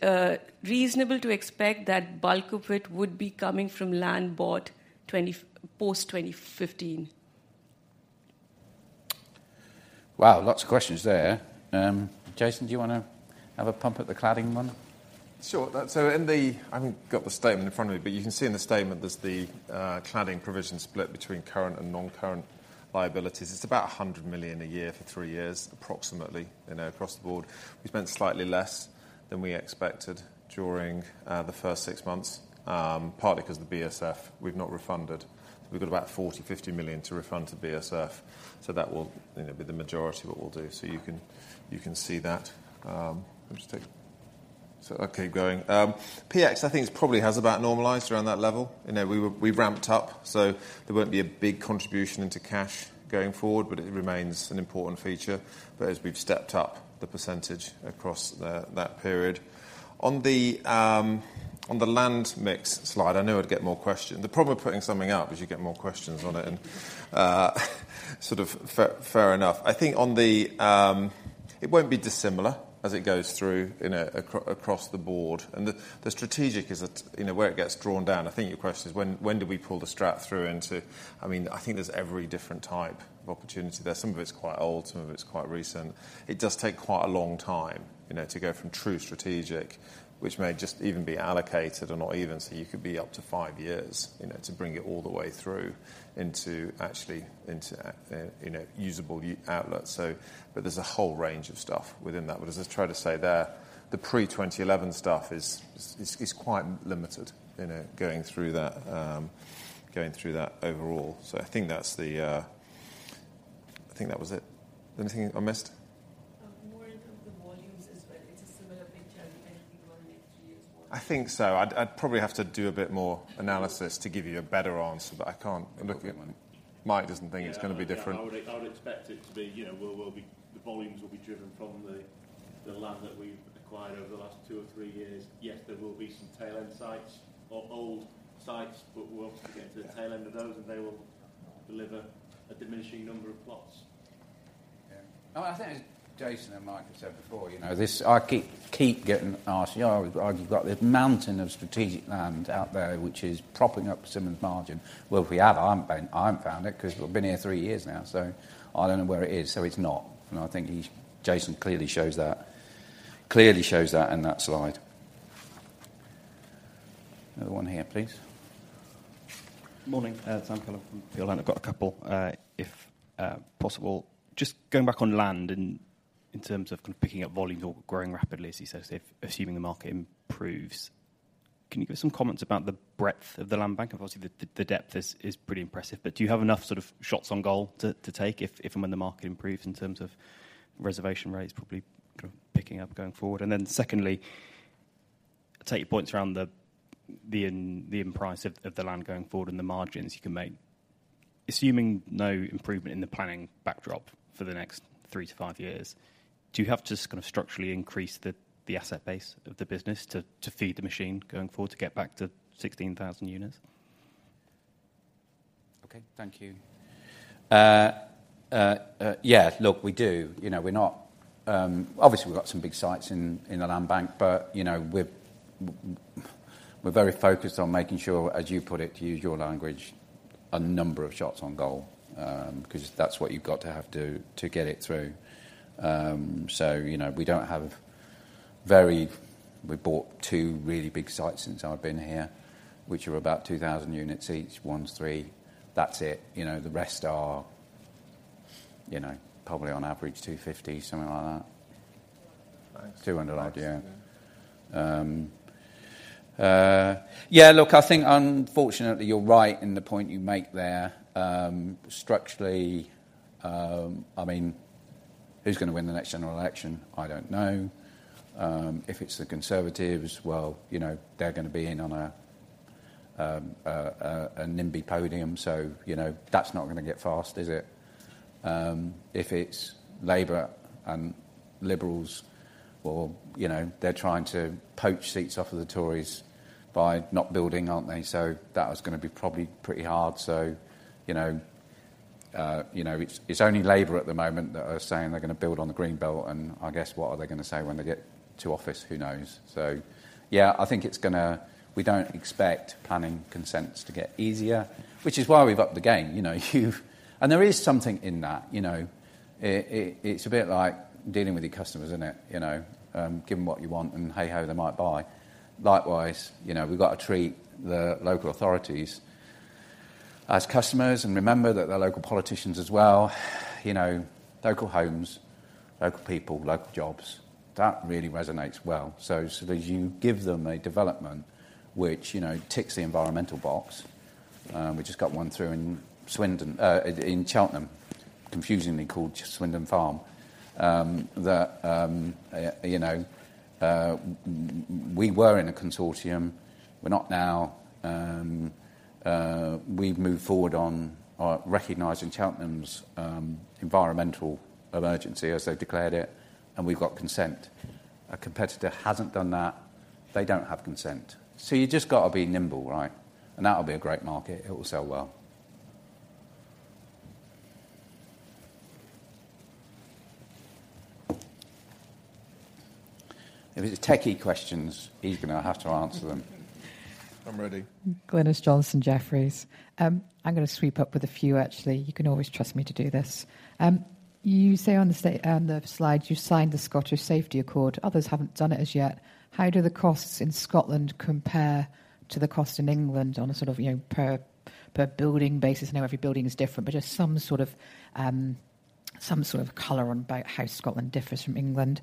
Speaker 9: reasonable to expect that bulk of it would be coming from land bought post-2015?
Speaker 1: Wow, lots of questions there. Jason, do you want to have a pump at the cladding one?
Speaker 2: Sure. That, so in the, I haven't got the statement in front of me, but you can see in the statement there's the cladding provision split between current and non-current liabilities. It's about 100 million a year for 3 years, approximately, you know, across the board. We spent slightly less than we expected during the first 6 months, partly 'cause of the BSF, we've not refunded. We've got about 40 million-50 million to refund to BSF, that will, you know, be the majority of what we'll do. You can, you can see that, let me just take... Okay, going. PX, I think it's probably has about normalized around that level. You know, we were- we've ramped up, so there won't be a big contribution into cash going forward, but it remains an important feature. As we've stepped up the percentage across that period. On the land mix slide, I knew I'd get more questions. The problem with putting something up is you get more questions on it, and sort of fair, fair enough. I think on the, it won't be dissimilar as it goes through across the board. The strategic is a, you know, where it gets drawn down. I think your question is: when, when do we pull the strap through into... I mean, I think there's every different type of opportunity there. Some of it's quite old, some of it's quite recent. It does take quite a long time, you know, to go from true strategic, which may just even be allocated or not even, so you could be up to 5 years, you know, to bring it all the way through into actually, into, you know, usable outlets. But there's a whole range of stuff within that. But as I try to say there, the pre-2011 stuff is, is, is quite limited, you know, going through that, going through that overall. I think that's the... I think that was it. Anything I missed?
Speaker 9: More in terms of the volumes as well, it's a similar picture I think over the next few years.
Speaker 2: I think so. I'd, I'd probably have to do a bit more analysis to give you a better answer, but I can't look at-
Speaker 1: Okay, Mike.
Speaker 2: Mike doesn't think it's going to be different.
Speaker 5: Yeah, I would, I would expect it to be, you know, where we'll be, the volumes will be driven from the, the land that we've acquired over the last two or three years. Yes, there will be some tail-end sites or old sites, but we'll have to get to the tail end of those, and they will deliver a diminishing number of plots.
Speaker 1: Yeah. I think as Jason and Mike have said before, you know, this, I keep, keep getting asked, you know, I've, I've got this mountain of strategic land out there, which is propping up Persimmon's margin. Well, if we have, I haven't found, I haven't found it 'cause we've been here three years now, so I don't know where it is, so it's not. Jason clearly shows that. Clearly shows that in that slide. Another one here, please.
Speaker 10: Morning, Sam Cullen from Peel Hunt. I've got a couple, if possible. Just going back on land and in terms of kind of picking up volumes or growing rapidly, as you said, if assuming the market improves, can you give us some comments about the breadth of the land bank? Obviously, the, the depth is, is pretty impressive, but do you have enough sort of shots on goal to, to take if, if and when the market improves in terms of reservation rates, probably kind of picking up going forward? Then, secondly, take your points around the, the in, the in price of, of the land going forward and the margins you can make. Assuming no improvement in the planning backdrop for the next 3-5 years, do you have to kind of structurally increase the, the asset base of the business to, to feed the machine going forward, to get back to 16,000 units?
Speaker 1: Okay, thank you. Yeah, look, we do. You know, we're not, obviously, we've got some big sites in, in the land bank, but, you know, we're very focused on making sure, as you put it, to use your language, a number of shots on goal, 'cause that's what you've got to have to, to get it through. We've bought two really big sites since I've been here, which are about 2,000 units each, one's 3. That's it. You know, the rest are, you know, probably on average, 250, something like that.
Speaker 10: Thanks.
Speaker 1: 200 odd, yeah. Yeah, look, I think unfortunately, you're right in the point you make there. Structurally, I mean, who's going to win the next general election? I don't know. If it's the Conservatives, well, you know, they're going to be in on a NIMBY podium, so, you know, that's not going to get fast, is it? If it's Labour and Liberals or, you know, they're trying to poach seats off of the Tories by not building, aren't they? That was going to be probably pretty hard. You know, you know, it's, it's only Labour at the moment that are saying they're going to build on the green belt, and I guess, what are they going to say when they get to office? Who knows. Yeah, I think it's gonna... We don't expect planning consents to get easier, which is why we've upped the game, you know, there is something in that, you know, it, it, it's a bit like dealing with your customers, isn't it? You know, give them what you want, and hey, ho, they might buy. Likewise, you know, we've got to treat the local authorities as customers and remember that they're local politicians as well. You know, local homes, local people, local jobs. That really resonates well. So as you give them a development which, you know, ticks the environmental box, we just got 1 through in Swindon, in Cheltenham, confusingly called Swindon Farm. That, you know, we were in a consortium, we're not now. We've moved forward on recognizing Cheltenham's environmental emergency, as they've declared it, and we've got consent. A competitor hasn't done that, they don't have consent. You just got to be nimble, right? That'll be a great market. It will sell well. If it's techie questions, he's gonna have to answer them.
Speaker 2: I'm ready.
Speaker 11: Glynis Johnson, Jefferies. I'm gonna sweep up with a few, actually. You can always trust me to do this. You say on the slide, you signed the Scottish Safer Buildings Accord. Others haven't done it as yet. How do the costs in Scotland compare to the cost in England on a sort of, you know, per, per building basis? I know every building is different, but just some sort of color on about how Scotland differs from England.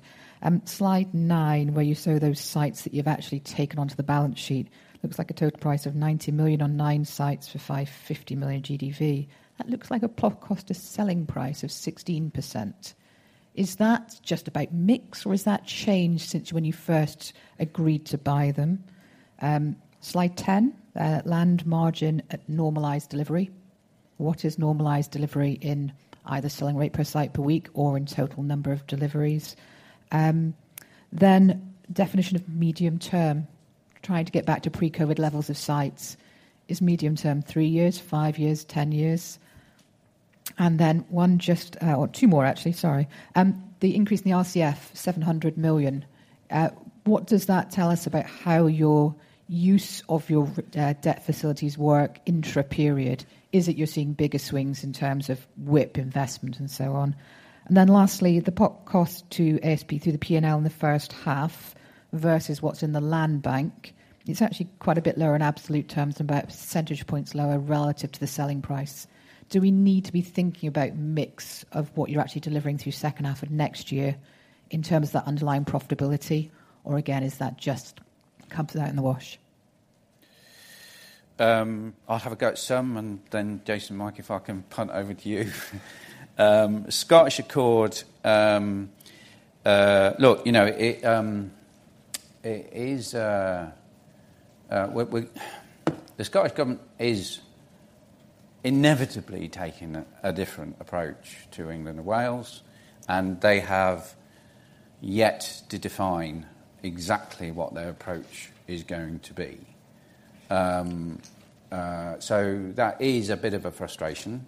Speaker 11: Slide 9, where you show those sites that you've actually taken onto the balance sheet, looks like a total price of 90 million on 9 sites for 550 million GDV. That looks like a plot cost to selling price of 16%. Is that just about mix, or has that changed since when you first agreed to buy them? Slide 10, land margin at normalized delivery. What is normalized delivery in either selling rate per site per week or in total number of deliveries? Definition of medium term, trying to get back to pre-COVID levels of sites. Is medium term 3 years, 5 years, 10 years? One just, or 2 more, actually, sorry. The increase in the RCF, 700 million. What does that tell us about how your use of your debt facilities work intraperiod? Is it you're seeing bigger swings in terms of WIP investment and so on? Lastly, the plot cost to ASP through the P&L in the first half versus what's in the land bank. It's actually quite a bit lower in absolute terms and about percentage points lower relative to the selling price. Do we need to be thinking about mix of what you're actually delivering through second half of next year in terms of that underlying profitability, or again, is that just comes out in the wash?
Speaker 1: I'll have a go at some, then Jason and Mike, if I can punt over to you. Scottish Accord, look, you know, it is, The Scottish Government is inevitably taking a different approach to England and Wales, and they have yet to define exactly what their approach is going to be. That is a bit of a frustration,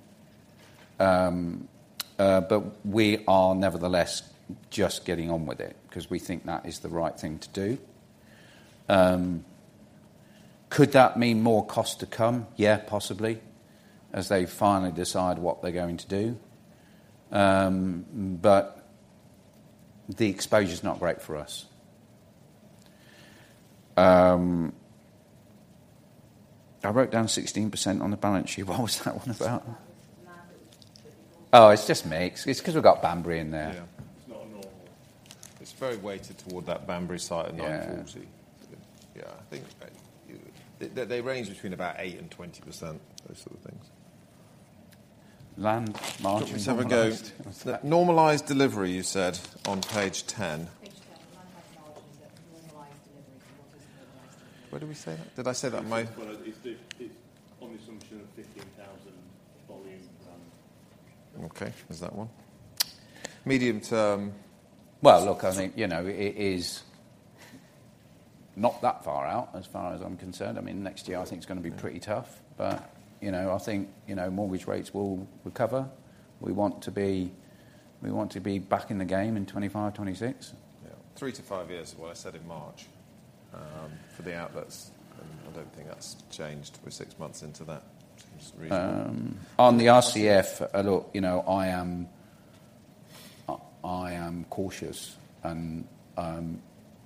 Speaker 1: but we are nevertheless just getting on with it 'cause we think that is the right thing to do. Could that mean more cost to come? Yeah, possibly, as they finally decide what they're going to do. The exposure is not great for us. I wrote down 16% on the balance sheet. What was that one about?
Speaker 5: Land.
Speaker 1: Oh, it's just mix. It's 'cause we've got Banbury in there.
Speaker 2: Yeah, it's not normal. It's very weighted toward that Banbury site at 940.
Speaker 1: Yeah.
Speaker 2: Yeah, I think, they, they range between about 8% and 20%, those sort of things.
Speaker 1: Land margin.
Speaker 2: Let's have a go. Normalized delivery, you said on page 10.
Speaker 5: Page 10, land margin, normalized delivery. What is normalized delivery?
Speaker 1: Where did we say that? Did I say that, Mike?
Speaker 5: Well, it, it's on the assumption of 15,000 volume plan.
Speaker 2: Okay, there's that one.
Speaker 1: Medium term. Well, look, I think, you know, it is not that far out, as far as I'm concerned. I mean, next year, I think it's gonna be pretty tough, but, you know, I think, you know, mortgage rates will recover. We want to be, we want to be back in the game in 2025, 2026.
Speaker 2: Yeah, 3-5 years is what I said in March, for the outlets, and I don't think that's changed. We're 6 months into that. Just reasonable.
Speaker 1: On the RCF, look, you know, I am, I am cautious, and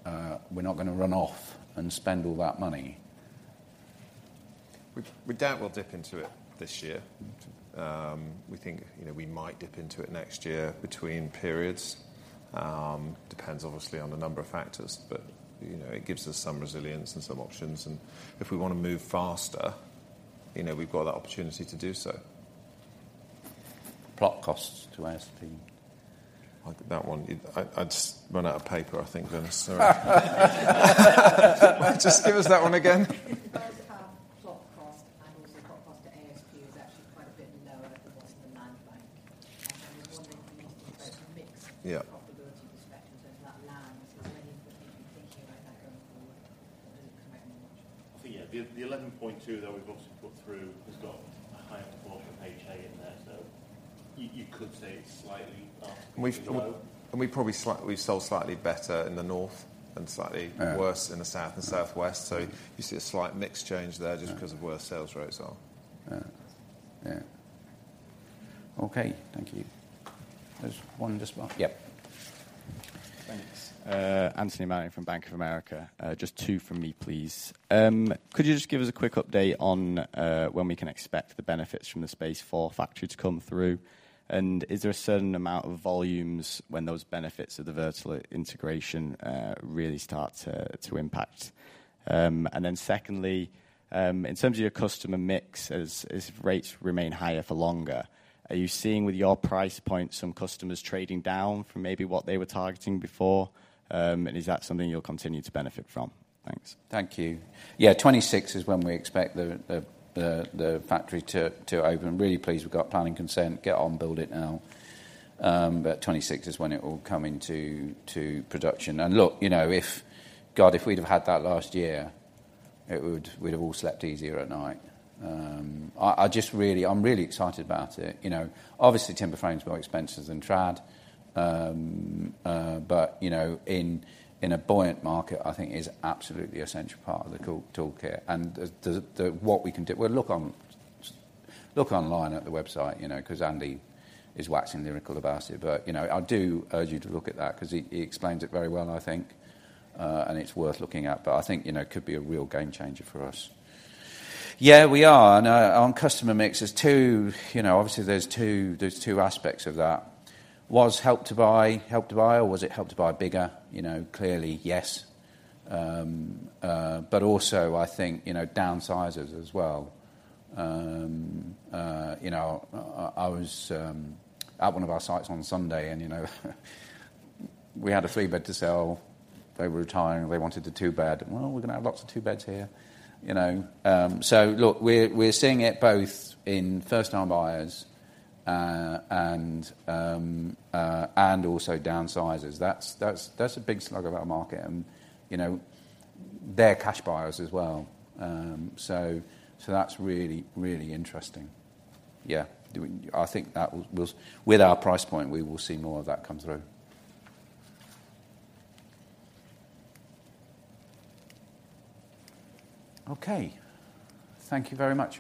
Speaker 1: we're not gonna run off and spend all that money.
Speaker 2: We, we doubt we'll dip into it this year. We think, you know, we might dip into it next year between periods. Depends obviously, on a number of factors, but you know, it gives us some resilience and some options, and if we wanna move faster, you know, we've got that opportunity to do so.
Speaker 1: Plot costs to ASP.
Speaker 2: That one, I, I just ran out of paper, I think, Glynis.
Speaker 1: Just give us that one again.
Speaker 11: Because our plot cost and also the plot cost to ASP is actually quite a bit lower than what's in the land bank. I'm wondering if we need to think about mix-
Speaker 1: Yeah
Speaker 11: profitability perspective into that land. Is there anything you've been thinking about that going forward as it comes more?
Speaker 5: I think, yeah, the, the 11.2 that we've obviously put through has got a higher proportion of HA in there, so you, you could say it's slightly off-
Speaker 2: We, and we probably we sold slightly better in the North and slightly-
Speaker 1: Yeah
Speaker 2: -worse in the South and Southwest, so you see a slight mix change there just because of where sales rates are.
Speaker 1: Yeah. Yeah. Okay, thank you. There's one as well.
Speaker 2: Yeah.
Speaker 12: Thanks. Richard Manning from Bank of America. Just 2 from me, please. Could you just give us a quick update on when we can expect the benefits from the Space4 factory to come through? And is there a certain amount of volumes when those benefits of the vertical integration really start to impact? Secondly, in terms of your customer mix, as rates remain higher for longer, are you seeing, with your price point, some customers trading down from maybe what they were targeting before? And is that something you'll continue to benefit from? Thanks.
Speaker 1: Thank you. Yeah, 2026 is when we expect the, the, the, the factory to, to open. I'm really pleased we got planning consent, get on, build it now. 2026 is when it will come into, to production. Look, you know, if, God, if we'd have had that last year, it would we'd have all slept easier at night. I, I just really I'm really excited about it. You know, obviously, timber frame is more expensive than trad, but, you know, in, in a buoyant market, I think is absolutely essential part of the tool, toolkit. The, the what we can do. Well, look on, look online at the website, you know, 'cause Andy is waxing lyrical about it. You know, I do urge you to look at that 'cause he, he explains it very well, I think, and it's worth looking at. I think, you know, it could be a real game changer for us. Yeah, we are. On customer mix, there's two, you know, obviously, there's two, there's two aspects of that. Was Help to Buy, Help to Buy, or was it Help to Buy bigger? You know, clearly, yes. Also, I think, you know, downsizers as well. You know, I, I was at one of our sites on Sunday, and, you know, we had a three-bed to sell. They were retiring, and they wanted a two-bed. Well, we're going to have lots of two-beds here, you know? Look, we're, we're seeing it both in first-time buyers, and also downsizers. That's, that's, that's a big slug of our market, and, you know, they're cash buyers as well. That's really, really interesting. Yeah, do, I think that will, will, with our price point, we will see more of that come through. Okay. Thank you very much.